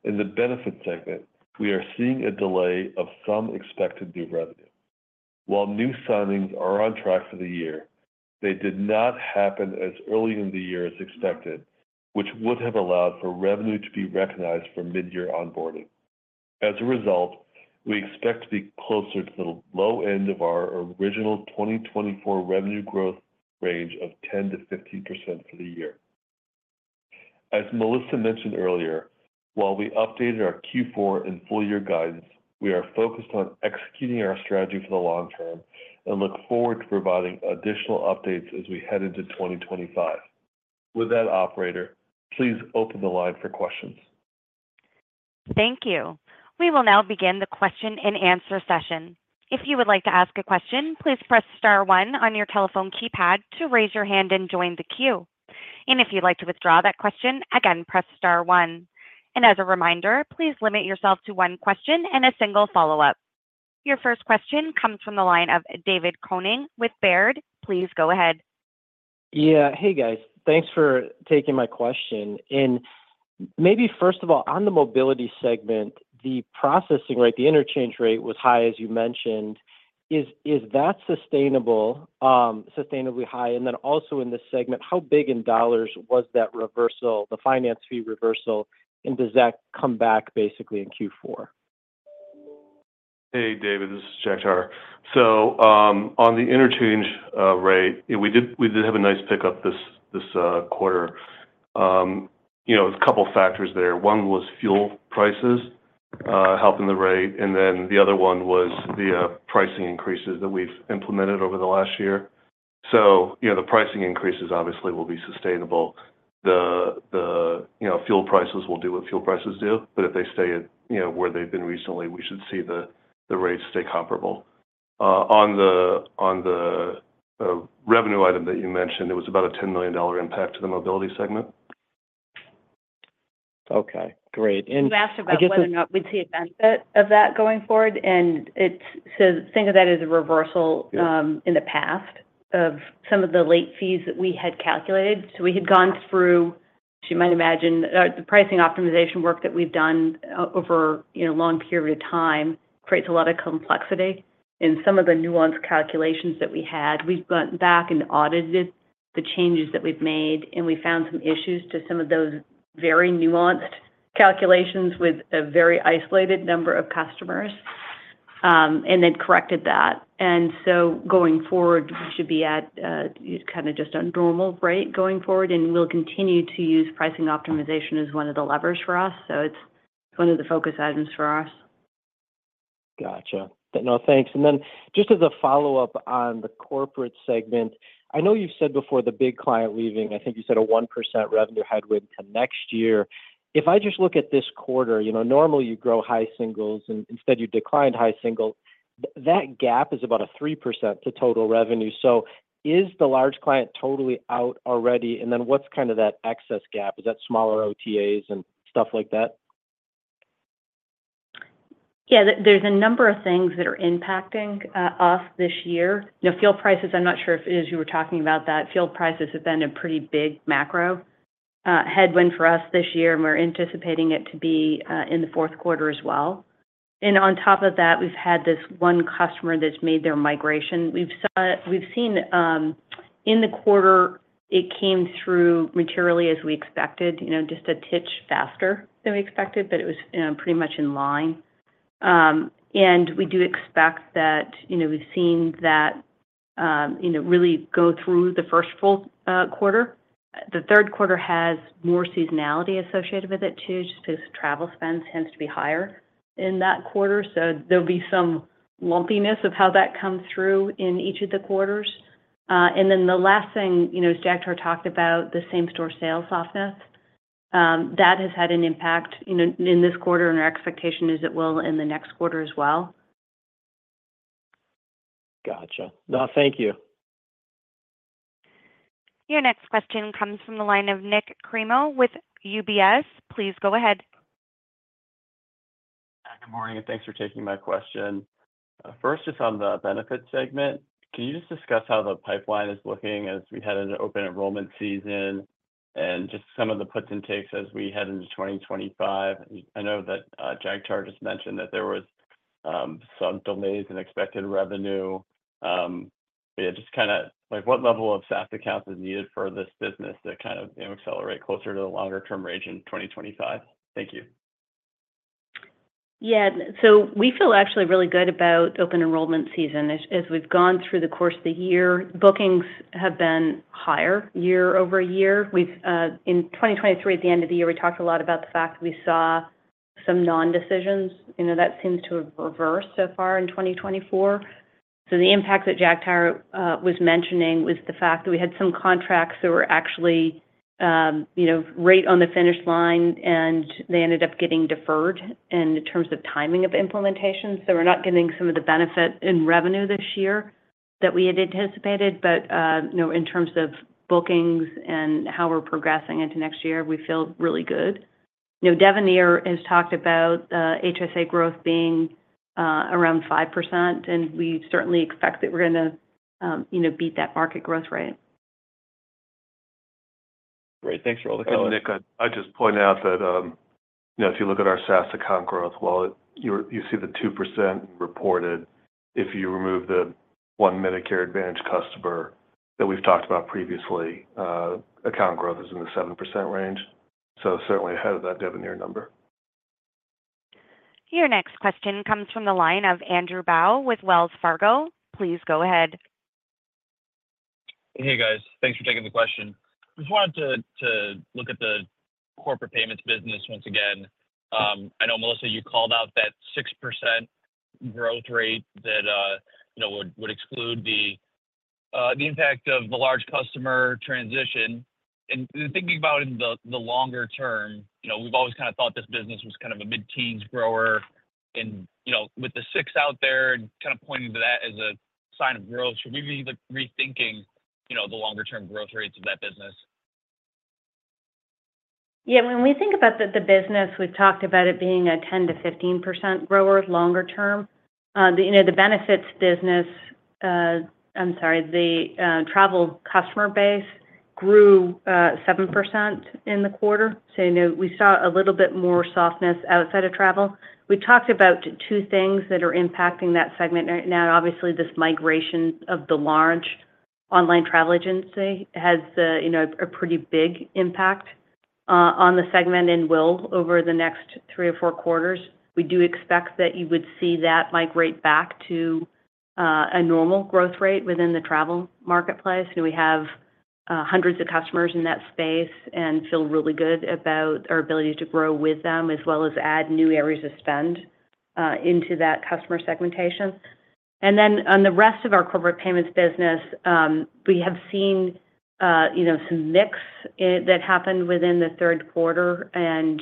In the Benefits segment, we are seeing a delay of some expected new revenue. While new signings are on track for the year, they did not happen as early in the year as expected, which would have allowed for revenue to be recognized for midyear onboarding. As a result, we expect to be closer to the low end of our original 2024 revenue growth range of 10% to 15% for the year. As Melissa mentioned earlier, while we updated our Q4 and full year guidance, we are focused on executing our strategy for the long term and look forward to providing additional updates as we head into 2025. With that, operator, please open the line for questions. Thank you. We will now begin the question-and-answer session. If you would like to ask a question, please press star one on your telephone keypad to raise your hand and join the queue. And if you'd like to withdraw that question, again, press star one. And as a reminder, please limit yourself to one question and a single follow-up. Your first question comes from the line of David Koning with Baird. Please go ahead. Yeah. Hey, guys. Thanks for taking my question. And maybe first of all, on the Mobility segment, the processing rate, the interchange rate, was high, as you mentioned.... Is that sustainable, sustainably high? And then also in this segment, how big in dollars was that reversal, the finance fee reversal, and does that come back basically in Q4? Hey, David, this is Jagtar. So, on the interchange rate, we did have a nice pickup this quarter. You know, there's a couple factors there. One was fuel prices helping the rate, and then the other one was the pricing increases that we've implemented over the last year. So, you know, the pricing increases obviously will be sustainable. The you know, fuel prices will do what fuel prices do, but if they stay at, you know, where they've been recently, we should see the rates stay comparable. On the revenue item that you mentioned, it was about a $10 million impact to the Mobility segment. Okay, great. And- You asked about whether or not we'd see a benefit of that going forward, and it's, so think of that as a reversal. Yes In the past, of some of the late fees that we had calculated. So we had gone through, as you might imagine, the pricing optimization work that we've done over, you know, long period of time creates a lot of complexity in some of the nuanced calculations that we had. We've gone back and audited the changes that we've made, and we found some issues to some of those very nuanced calculations with a very isolated number of customers, and then corrected that. And so going forward, we should be at, kind of just on normal rate going forward, and we'll continue to use pricing optimization as one of the levers for us. So it's one of the focus items for us. Gotcha. No, thanks, and then just as a follow-up on the corporate segment, I know you've said before, the big client leaving, I think you said a 1% revenue headwind to next year. If I just look at this quarter, you know, normally you grow high singles, and instead, you declined high single. That gap is about a 3% to total revenue. So is the large client totally out already? And then what's kind of that excess gap? Is that smaller OTAs and stuff like that? Yeah. There's a number of things that are impacting us this year. You know, fuel prices, I'm not sure if it is you were talking about, that fuel prices have been a pretty big macro headwind for us this year, and we're anticipating it to be in the fourth quarter as well. And on top of that, we've had this one customer that's made their migration. We've seen in the quarter, it came through materially as we expected, you know, just a titch faster than we expected, but it was pretty much in line. And we do expect that, you know, we've seen that, you know, really go through the first full quarter. The third quarter has more seasonality associated with it, too, just 'cause travel spend tends to be higher in that quarter. So there'll be some lumpiness of how that comes through in each of the quarters. And then the last thing, you know, as Jagtar talked about, the same-store sales softness. That has had an impact, you know, in this quarter, and our expectation is it will in the next quarter as well. Gotcha. No, thank you. Your next question comes from the line of Nick Cremo with UBS. Please go ahead. Good morning, and thanks for taking my question. First, just on the Benefits segment, can you just discuss how the pipeline is looking as we head into open enrollment season and just some of the puts and takes as we head into 2025? I know that, Jagtar just mentioned that there was, some delays in expected revenue. Yeah, just kind of like, what level of SaaS accounts is needed for this business to kind of, you know, accelerate closer to the longer-term range in 2025? Thank you. Yeah. So we feel actually really good about open enrollment season. As we've gone through the course of the year, bookings have been higher year over year. We've... In 2023, at the end of the year, we talked a lot about the fact that we saw some non-decisions. You know, that seems to have reversed so far in 2024. So the impact that Jagtar was mentioning was the fact that we had some contracts that were actually, you know, right on the finish line, and they ended up getting deferred in terms of timing of implementation. So we're not getting some of the benefit in revenue this year that we had anticipated, but, you know, in terms of bookings and how we're progressing into next year, we feel really good. You know, Devenir has talked about HSA growth being around 5%, and we certainly expect that we're gonna, you know, beat that market growth rate. Great. Thanks for all the color. Nick, I just point out that, you know, if you look at our SaaS account growth, well, you see the 2% reported. If you remove the one Medicare Advantage customer that we've talked about previously, account growth is in the 7% range, so certainly ahead of that Devenir number. Your next question comes from the line of Andrew Bauch with Wells Fargo. Please go ahead. Hey, guys. Thanks for taking the question. Just wanted to look at the Corporate Payments business once again. I know, Melissa, you called out that 6% growth rate that you know would exclude the impact of the large customer transition. And thinking about in the longer term, you know, we've always kind of thought this business was kind of a mid-teens grower and, you know, with the six out there, kind of pointing to that as a sign of growth, should we be like rethinking you know the longer-term growth rates of that business? Yeah, when we think about the business, we've talked about it being a 10%-15% grower longer term. You know, the travel customer base grew 7% in the quarter. So, you know, we saw a little bit more softness outside of travel. We talked about two things that are impacting that segment right now. Obviously, this migration of the large online travel agency has you know, a pretty big impact on the segment, and will over the next three or four quarters. We do expect that you would see that migrate back to a normal growth rate within the travel marketplace, and we have hundreds of customers in that space and feel really good about our ability to grow with them, as well as add new areas of spend into that customer segmentation. And then on the rest of our Corporate Payments business, we have seen you know, some mix that happened within the third quarter and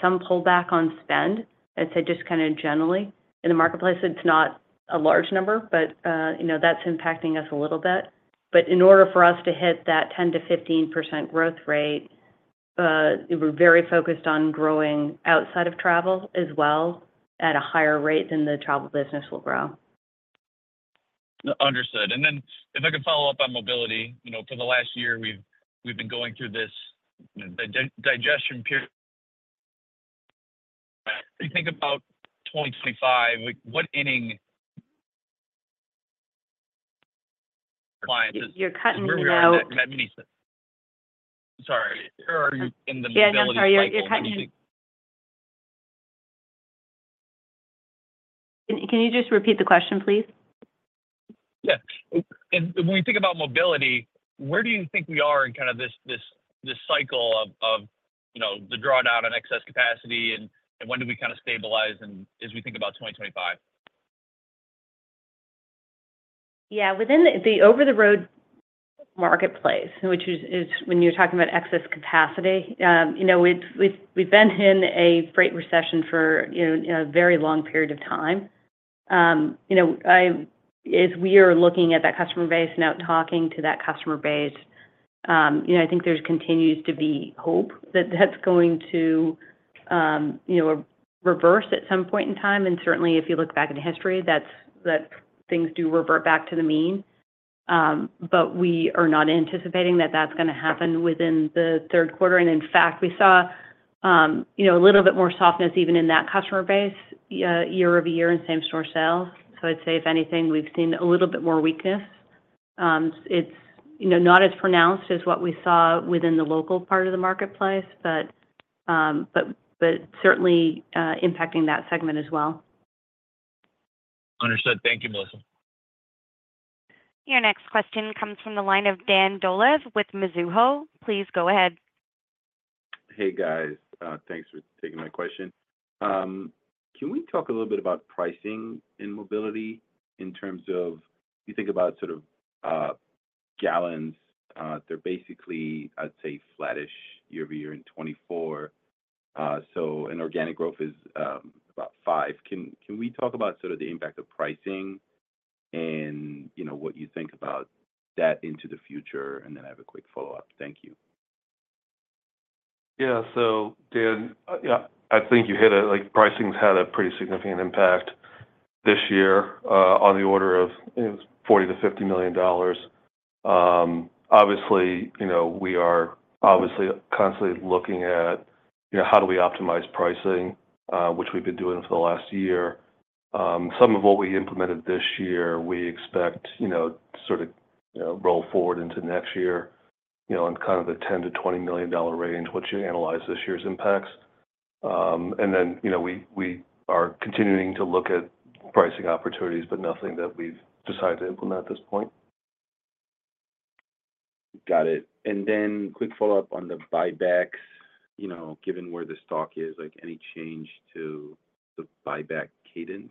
some pullback on spend. I'd say just kind of generally in the marketplace, it's not a large number, but you know, that's impacting us a little bit. But in order for us to hit that 10%-15% growth rate, we're very focused on growing outside of travel as well, at a higher rate than the travel business will grow. Understood. And then if I could follow up on Mobility. You know, for the last year, we've been going through this digestion period. When you think about 2025, like, what inning- You're cutting in and out. Sorry, where are you in the Mobility- Sorry, you're cutting... Can, can you just repeat the question, please? Yeah. And when you think about Mobility, where do you think we are in kind of this cycle of, you know, the drawdown on excess capacity, and when do we kind of stabilize and as we think about 2025? Yeah. Within the over-the-road marketplace, which is when you're talking about excess capacity, you know, we've been in a freight recession for, you know, a very long period of time. You know, as we are looking at that customer base, now talking to that customer base, you know, I think there's continues to be hope that that's going to, you know, reverse at some point in time. And certainly, if you look back into history, that things do revert back to the mean. But we are not anticipating that that's gonna happen within the third quarter. And in fact, we saw, you know, a little bit more softness even in that customer base, year over year in same-store sales. So I'd say if anything, we've seen a little bit more weakness. It's, you know, not as pronounced as what we saw within the local part of the marketplace, but certainly impacting that segment as well. Understood. Thank you, Melissa. Your next question comes from the line of Dan Dolev with Mizuho. Please go ahead. Hey, guys. Thanks for taking my question. Can we talk a little bit about pricing in Mobility in terms of... You think about sort of, gallons, they're basically, I'd say, flattish year over year in 2024. So and organic growth is about five. Can we talk about sort of the impact of pricing and, you know, what you think about that into the future? And then I have a quick follow-up. Thank you. Yeah. So, Dan, yeah, I think you hit it. Like, pricing's had a pretty significant impact this year, on the order of $40-50 million. Obviously, you know, we are obviously constantly looking at, you know, how do we optimize pricing, which we've been doing for the last year. Some of what we implemented this year, we expect, you know, to sort of, you know, roll forward into next year, you know, in kind of the $10-20 million range, once you analyze this year's impacts, and then, you know, we, we are continuing to look at pricing opportunities, but nothing that we've decided to implement at this point. Got it. And then quick follow-up on the buybacks. You know, given where the stock is, like, any change to the buyback cadence?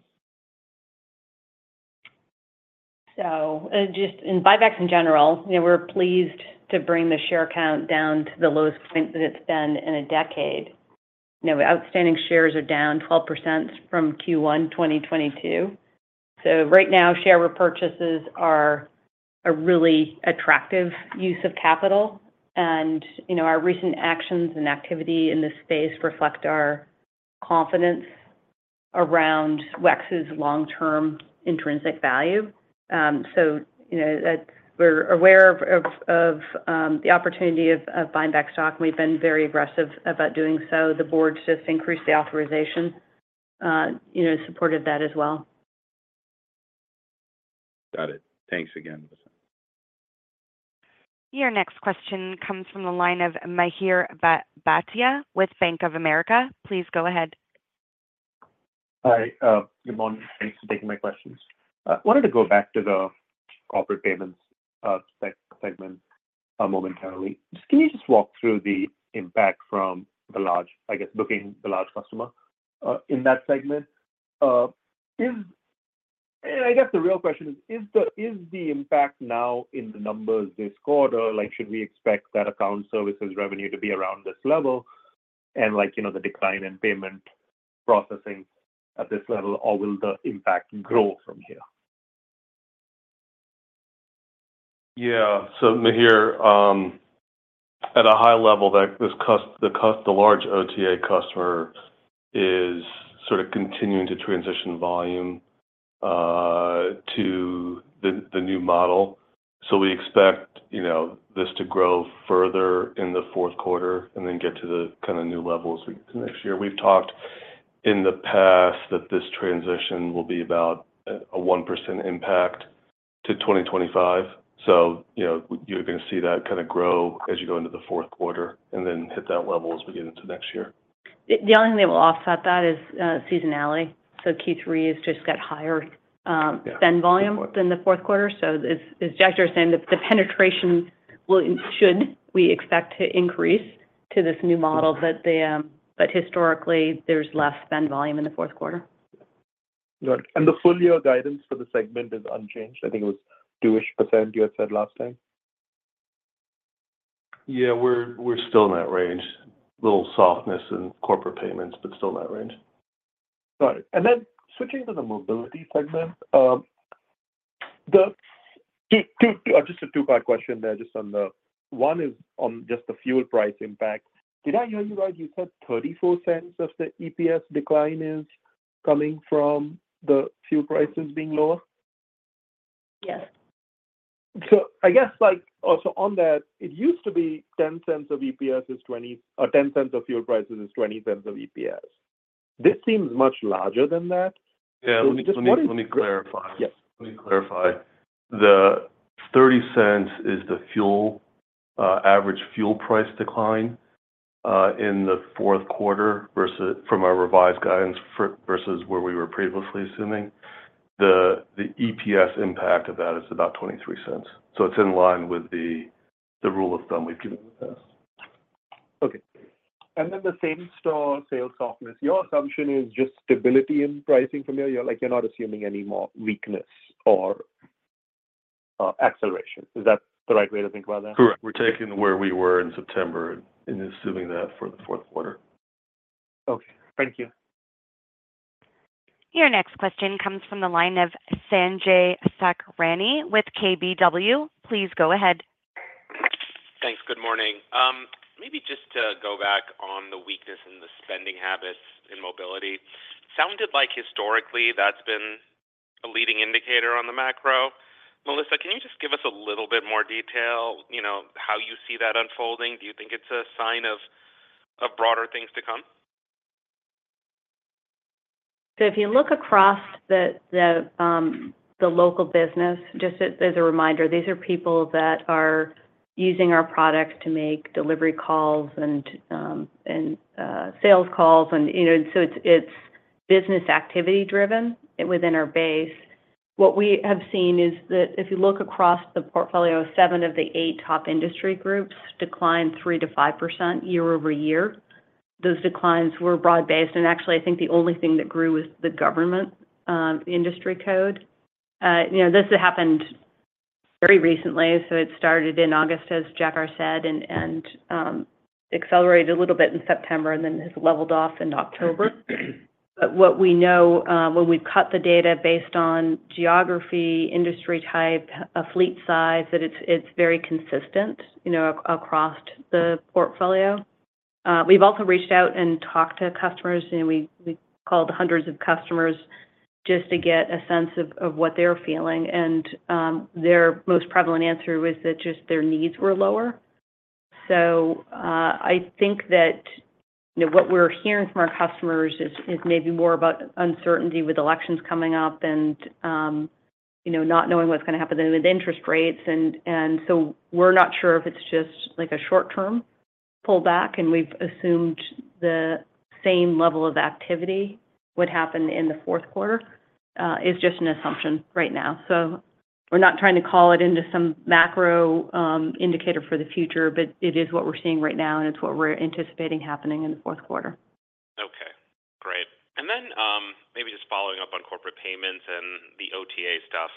So, just in buybacks in general, you know, we're pleased to bring the share count down to the lowest point that it's been in a decade. You know, outstanding shares are down 12% from Q1 2022. So right now, share repurchases are a really attractive use of capital, and, you know, our recent actions and activity in this space reflect our confidence around WEX's long-term intrinsic value. So you know, that we're aware of the opportunity of buying back stock, and we've been very aggressive about doing so. The board just increased the authorization, you know, supported that as well. Got it. Thanks again. Your next question comes from the line of Mihir Bhatia with Bank of America. Please go ahead. Hi, good morning. Thanks for taking my questions. I wanted to go back to the Corporate Payments segment momentarily. Can you just walk through the impact from the large, I guess, booking the large customer in that segment? And I guess the real question is, is the impact now in the numbers this quarter? Like, should we expect that account services revenue to be around this level and like, you know, the decline in payment processing at this level, or will the impact grow from here?... Yeah. So here, at a high level, that this customer - the large OTA customer is sort of continuing to transition volume to the new model. So we expect, you know, this to grow further in the fourth quarter and then get to the kind of new levels next year. We've talked in the past that this transition will be about a 1% impact to 2025. So, you know, you're gonna see that kind of grow as you go into the fourth quarter and then hit that level as we get into next year. The only thing that will offset that is seasonality. So Q3 has just got higher spend volume than the fourth quarter. So as Jagtar is saying, the penetration will - should we expect to increase to this new model that they. But historically, there's less spend volume in the fourth quarter? Yeah. Got it. And the full-year guidance for the segment is unchanged. I think it was two-ish %, you had said last time? Yeah, we're still in that range. A little softness in Corporate Payments, but still in that range. Got it. And then switching to the Mobility segment, a two-part question there. Just on the... One is on just the fuel price impact. Did I hear you right, you said $0.34 of the EPS decline is coming from the fuel prices being lower? Yes. I guess, like, also on that, it used to be ten cents in fuel prices is twenty, or ten cents in fuel prices is twenty cents of EPS. This seems much larger than that. Yeah. So just wanted- Let me clarify. Yes. Let me clarify. The $0.30 is the fuel average fuel price decline in the fourth quarter versus from our revised guidance for, versus where we were previously assuming. The EPS impact of that is about $0.23. So it's in line with the rule of thumb we've given in the past. Okay. And then the same-store sales softness. Your assumption is just stability in pricing from here? You're like, you're not assuming any more weakness or, acceleration. Is that the right way to think about that? Correct. We're taking where we were in September and assuming that for the fourth quarter. Okay, thank you. Your next question comes from the line of Sanjay Sakhrani with KBW. Please go ahead. Thanks. Good morning. Maybe just to go back on the weakness in the spending habits in Mobility. Sounded like historically, that's been a leading indicator on the macro. Melissa, can you just give us a little bit more detail, you know, how you see that unfolding? Do you think it's a sign of broader things to come? So if you look across the local business, just as a reminder, these are people that are using our products to make delivery calls and sales calls and, you know, so it's business activity driven within our base. What we have seen is that if you look across the portfolio, seven of the eight top industry groups declined 3%-5% year over year. Those declines were broad-based, and actually, I think the only thing that grew was the government industry code. You know, this happened very recently, so it started in August, as Jagtar said, and accelerated a little bit in September and then has leveled off in October. But what we know when we cut the data based on geography, industry type, fleet size, that it's very consistent, you know, across the portfolio. We've also reached out and talked to customers, and we called hundreds of customers just to get a sense of what they're feeling, and their most prevalent answer was that just their needs were lower, so I think that, you know, what we're hearing from our customers is maybe more about uncertainty with elections coming up and, you know, not knowing what's gonna happen with interest rates, and so we're not sure if it's just like a short-term pullback, and we've assumed the same level of activity would happen in the fourth quarter is just an assumption right now. So we're not trying to call it into some macro indicator for the future, but it is what we're seeing right now, and it's what we're anticipating happening in the fourth quarter. Okay, great. And then, maybe just following up on Corporate Payments and the OTA stuff.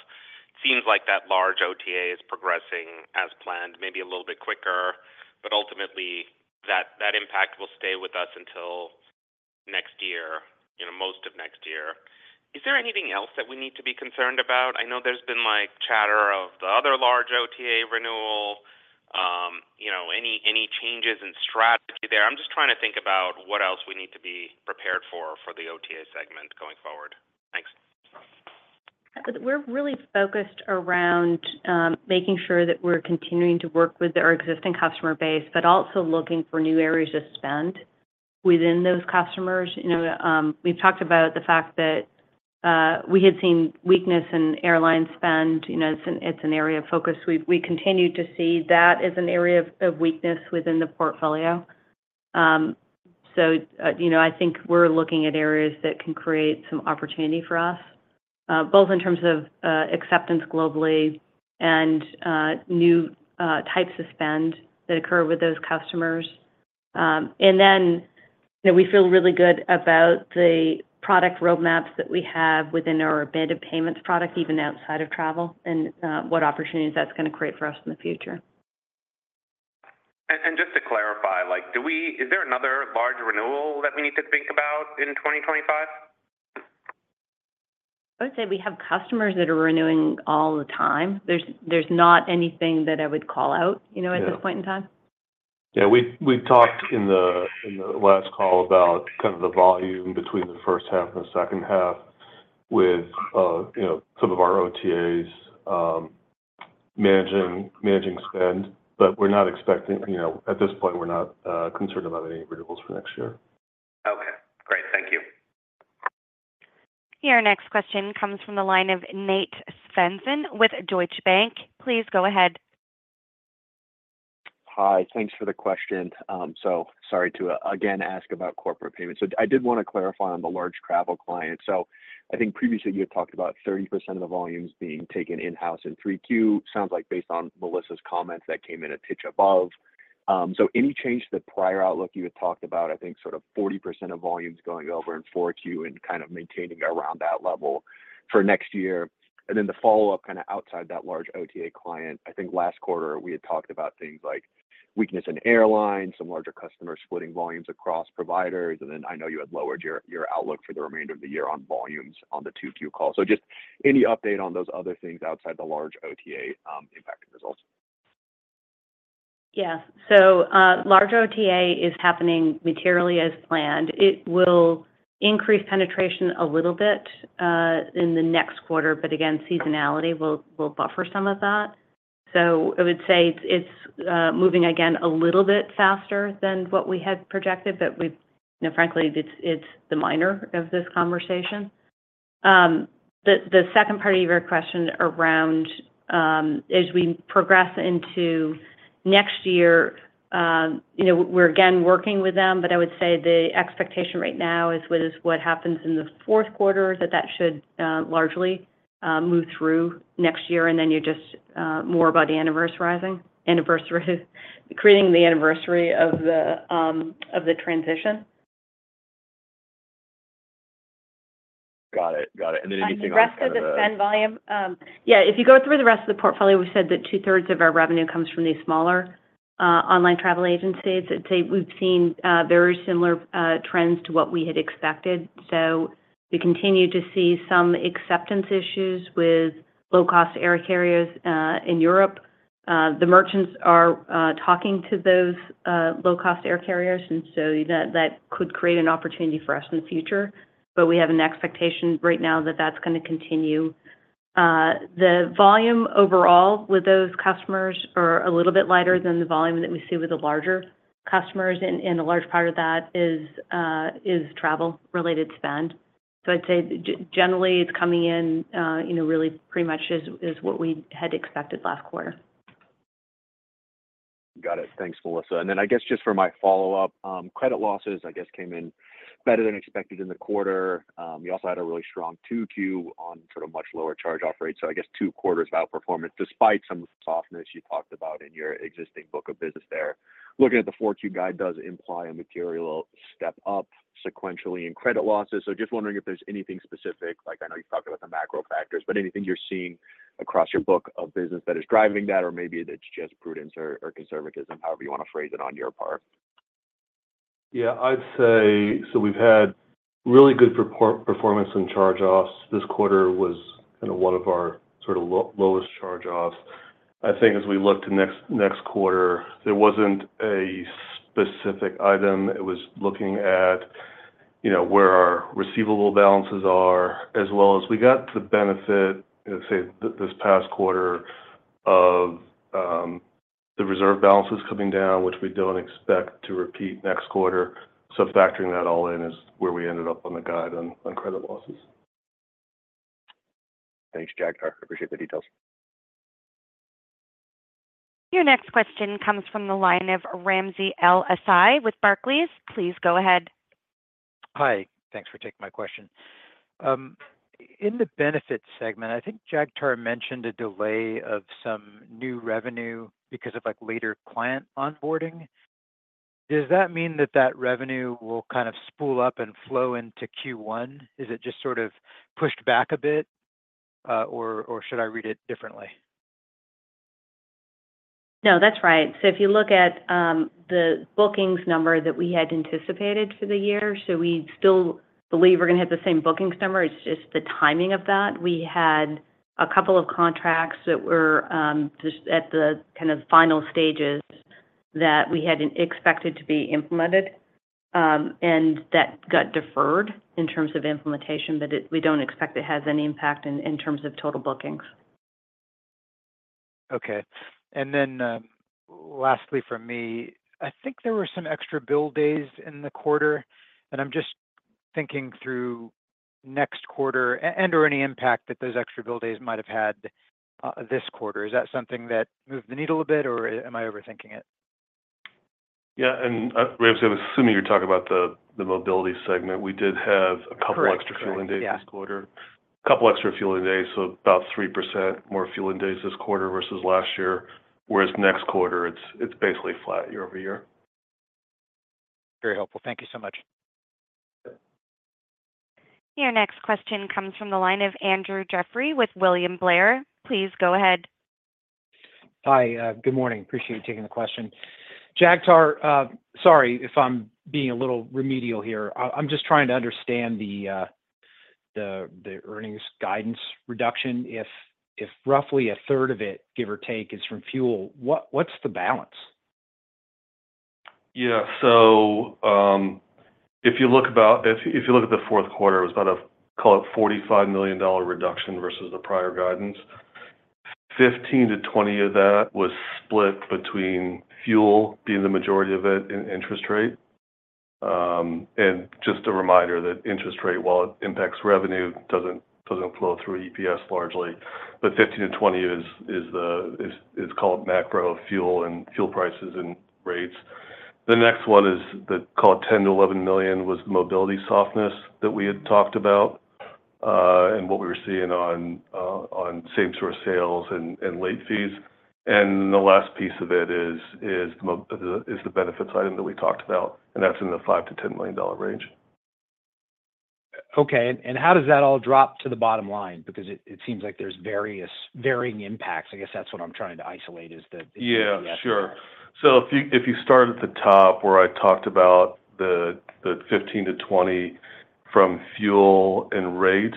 Seems like that large OTA is progressing as planned, maybe a little bit quicker, but ultimately, that impact will stay with us until next year, you know, most of next year. Is there anything else that we need to be concerned about? I know there's been, like, chatter of the other large OTA renewal, you know, any changes in strategy there? I'm just trying to think about what else we need to be prepared for, for the OTA segment going forward. Thanks. We're really focused around making sure that we're continuing to work with our existing customer base, but also looking for new areas of spend within those customers. You know, we've talked about the fact that we had seen weakness in airline spend. You know, it's an area of focus. We continue to see that as an area of weakness within the portfolio. So you know, I think we're looking at areas that can create some opportunity for us both in terms of acceptance globally and new types of spend that occur with those customers. And then, you know, we feel really good about the product roadmaps that we have within our embedded payments product, even outside of travel, and what opportunities that's gonna create for us in the future.... and just to clarify, like, is there another large renewal that we need to think about in 2025? I would say we have customers that are renewing all the time. There's not anything that I would call out, you know. Yeah... at this point in time. Yeah, we talked in the last call about kind of the volume between the first half and the second half with you know some of our OTAs managing spend, but we're not expecting you know at this point we're not concerned about any renewals for next year. Okay, great. Thank you. Your next question comes from the line of Nate Svensson with Deutsche Bank. Please go ahead. Hi, thanks for the question. So sorry to again ask about Corporate Payments. So I did wanna clarify on the large travel client. So I think previously you had talked about 30% of the volumes being taken in-house in Q3. Sounds like based on Melissa's comments, that came in a bit above. So any change to the prior outlook you had talked about, I think, sort of 40% of volumes going over in Q4 and kind of maintaining around that level for next year? And then the follow-up, kind of outside that large OTA client, I think last quarter we had talked about things like weakness in airlines, some larger customers splitting volumes across providers, and then I know you had lowered your outlook for the remainder of the year on volumes on the Q2 call. So just any update on those other things outside the large OTA impacting results? Yeah. So, large OTA is happening materially as planned. It will increase penetration a little bit in the next quarter, but again, seasonality will buffer some of that. So I would say it's moving again a little bit faster than what we had projected, but we've you know, frankly, it's the minor of this conversation. The second part of your question around, as we progress into next year, you know, we're again working with them, but I would say the expectation right now is with what happens in the fourth quarter, that that should largely move through next year, and then you're just more about the anniversarying, creating the anniversary of the transition. Got it. Got it. And then anything on kind of the- The rest of the spend volume? Yeah, if you go through the rest of the portfolio, we said that two-thirds of our revenue comes from these smaller online travel agencies. I'd say we've seen very similar trends to what we had expected. So we continue to see some acceptance issues with low-cost air carriers in Europe. The merchants are talking to those low-cost air carriers, and so that could create an opportunity for us in the future. But we have an expectation right now that that's gonna continue. The volume overall with those customers are a little bit lighter than the volume that we see with the larger customers, and a large part of that is travel-related spend. I'd say generally, it's coming in, you know, really pretty much as what we had expected last quarter. Got it. Thanks, Melissa. And then I guess just for my follow-up, credit losses, I guess, came in better than expected in the quarter. You also had a really strong Q2 on sort of much lower charge-off rates. So I guess two quarters of outperformance, despite some of the softness you talked about in your existing book of business there. Looking at the Q4 guide does imply a material step up sequentially in credit losses. So just wondering if there's anything specific, like I know you've talked about the macro factors, but anything you're seeing across your book of business that is driving that, or maybe it's just prudence or, or conservatism, however you wanna phrase it, on your part? Yeah, I'd say, so we've had really good performance in charge-offs. This quarter was, you know, one of our sort of lowest charge-offs. I think as we look to next quarter, there wasn't a specific item. It was looking at, you know, where our receivable balances are, as well as we got the benefit, let's say, this past quarter of the reserve balances coming down, which we don't expect to repeat next quarter. So factoring that all in is where we ended up on the guide on credit losses. Thanks, Jagtar. I appreciate the details. Your next question comes from the line of Ramsey El-Assal with Barclays. Please go ahead. Hi. Thanks for taking my question. In the Benefits segment, I think Jagtar mentioned a delay of some new revenue because of, like, later client onboarding. Does that mean that that revenue will kind of spool up and flow into Q1? Is it just sort of pushed back a bit, or, or should I read it differently? No, that's right. So if you look at the bookings number that we had anticipated for the year, so we still believe we're gonna hit the same bookings number. It's just the timing of that. We had a couple of contracts that were just at the kind of final stages that we hadn't expected to be implemented, and that got deferred in terms of implementation, but it, we don't expect it has any impact in terms of total bookings. Okay. And then, lastly from me, I think there were some extra bill days in the quarter, and I'm just thinking through next quarter and/or any impact that those extra bill days might have had, this quarter. Is that something that moved the needle a bit, or am I overthinking it? Yeah, and, Ramsey, I'm assuming you're talking about the Mobility segment. We did have a couple- Correct... extra fueling days this quarter. Yeah. A couple extra fueling days, so about 3% more fueling days this quarter versus last year, whereas next quarter, it's basically flat year over year.... Very helpful. Thank you so much. Your next question comes from the line of Andrew Jeffrey with William Blair. Please go ahead. Hi, good morning. Appreciate you taking the question. Jagtar, sorry if I'm being a little remedial here. I'm just trying to understand the earnings guidance reduction. If roughly a third of it, give or take, is from fuel, what's the balance? Yeah. So, if you look about—if you look at the fourth quarter, it was about a, call it $45 million reduction versus the prior guidance. $15-$20 of that was split between fuel being the majority of it, and interest rate. And just a reminder that interest rate, while it impacts revenue, doesn't flow through EPS largely. But $15-$20 is called macro fuel and fuel prices and rates. The next one is the, call it $10-$11 million, was Mobility softness that we had talked about, and what we were seeing on same-store sales and late fees. And the last piece of it is the Benefits item that we talked about, and that's in the $5-$10 million range. Okay. And how does that all drop to the bottom line? Because it seems like there's varying impacts. I guess that's what I'm trying to isolate, is the- Yeah, sure. -the EPS. So if you start at the top, where I talked about the 15-20 from fuel and rate,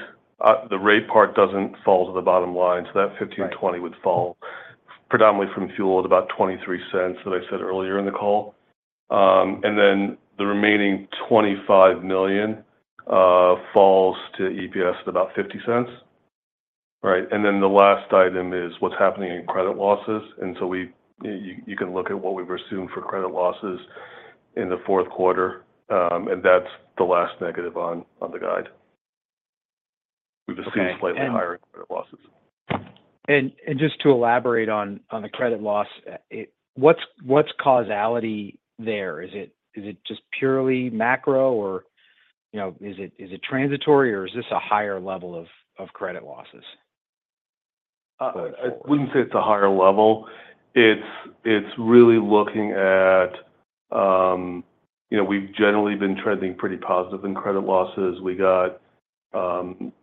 the rate part doesn't fall to the bottom line, so that 15- Right to 20 would fall predominantly from fuel at about 23 cents, that I said earlier in the call. And then the remaining $25 million falls to EPS at about 50 cents. Right? And then the last item is what's happening in credit losses. And so you can look at what we've assumed for credit losses in the fourth quarter, and that's the last negative on the guide. Okay, and- We've just seen slightly higher credit losses. Just to elaborate on the credit loss, what's the causality there? Is it just purely macro, or, you know, is it transitory, or is this a higher level of credit losses? I wouldn't say it's a higher level. It's really looking at. You know, we've generally been trending pretty positive in credit losses. We got some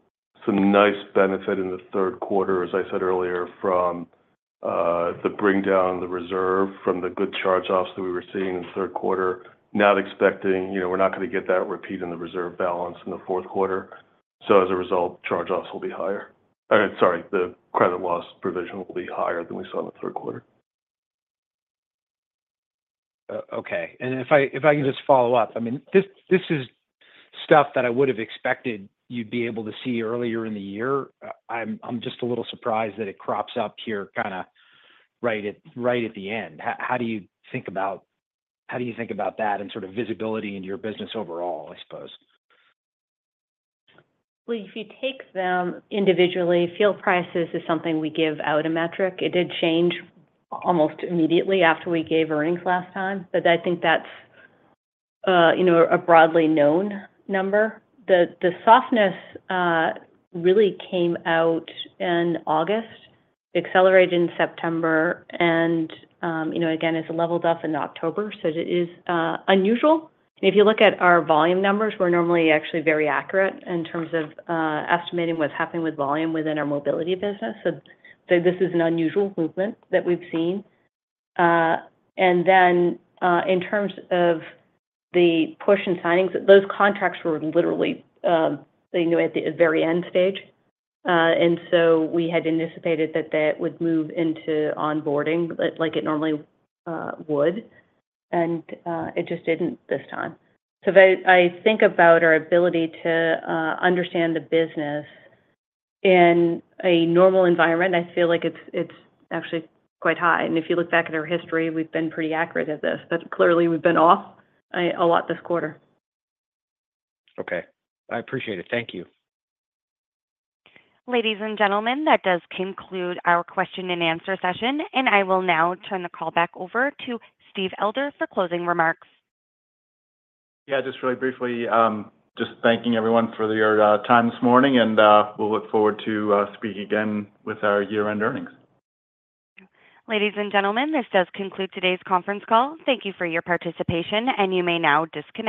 nice benefit in the third quarter, as I said earlier, from the bring down the reserve from the good charge-offs that we were seeing in the third quarter. Not expecting, you know, we're not going to get that repeat in the reserve balance in the fourth quarter, so as a result, charge-offs will be higher. Sorry, the credit loss provision will be higher than we saw in the third quarter. Okay. And if I can just follow up, I mean, this is stuff that I would have expected you'd be able to see earlier in the year. I'm just a little surprised that it crops up here, kinda right at the end. How do you think about that and sort of visibility into your business overall, I suppose? If you take them individually, fuel prices is something we give out a metric. It did change almost immediately after we gave earnings last time, but I think that's, you know, a broadly known number. The softness really came out in August, accelerated in September, and you know, again, it's leveled off in October, so it is unusual. And if you look at our volume numbers, we're normally actually very accurate in terms of estimating what's happening with volume within our Mobility business. So this is an unusual movement that we've seen. And then, in terms of the push and signings, those contracts were literally, you know, at the very end stage. And so we had anticipated that that would move into onboarding, like it normally would, and it just didn't this time. I think about our ability to understand the business in a normal environment. I feel like it's actually quite high. And if you look back at our history, we've been pretty accurate at this, but clearly, we've been off a lot this quarter. Okay. I appreciate it. Thank you. Ladies and gentlemen, that does conclude our question and answer session, and I will now turn the call back over to Steve Elder for closing remarks. Yeah, just really briefly, just thanking everyone for your time this morning, and we'll look forward to speaking again with our year-end earnings. Ladies and gentlemen, this does conclude today's conference call. Thank you for your participation, and you may now disconnect.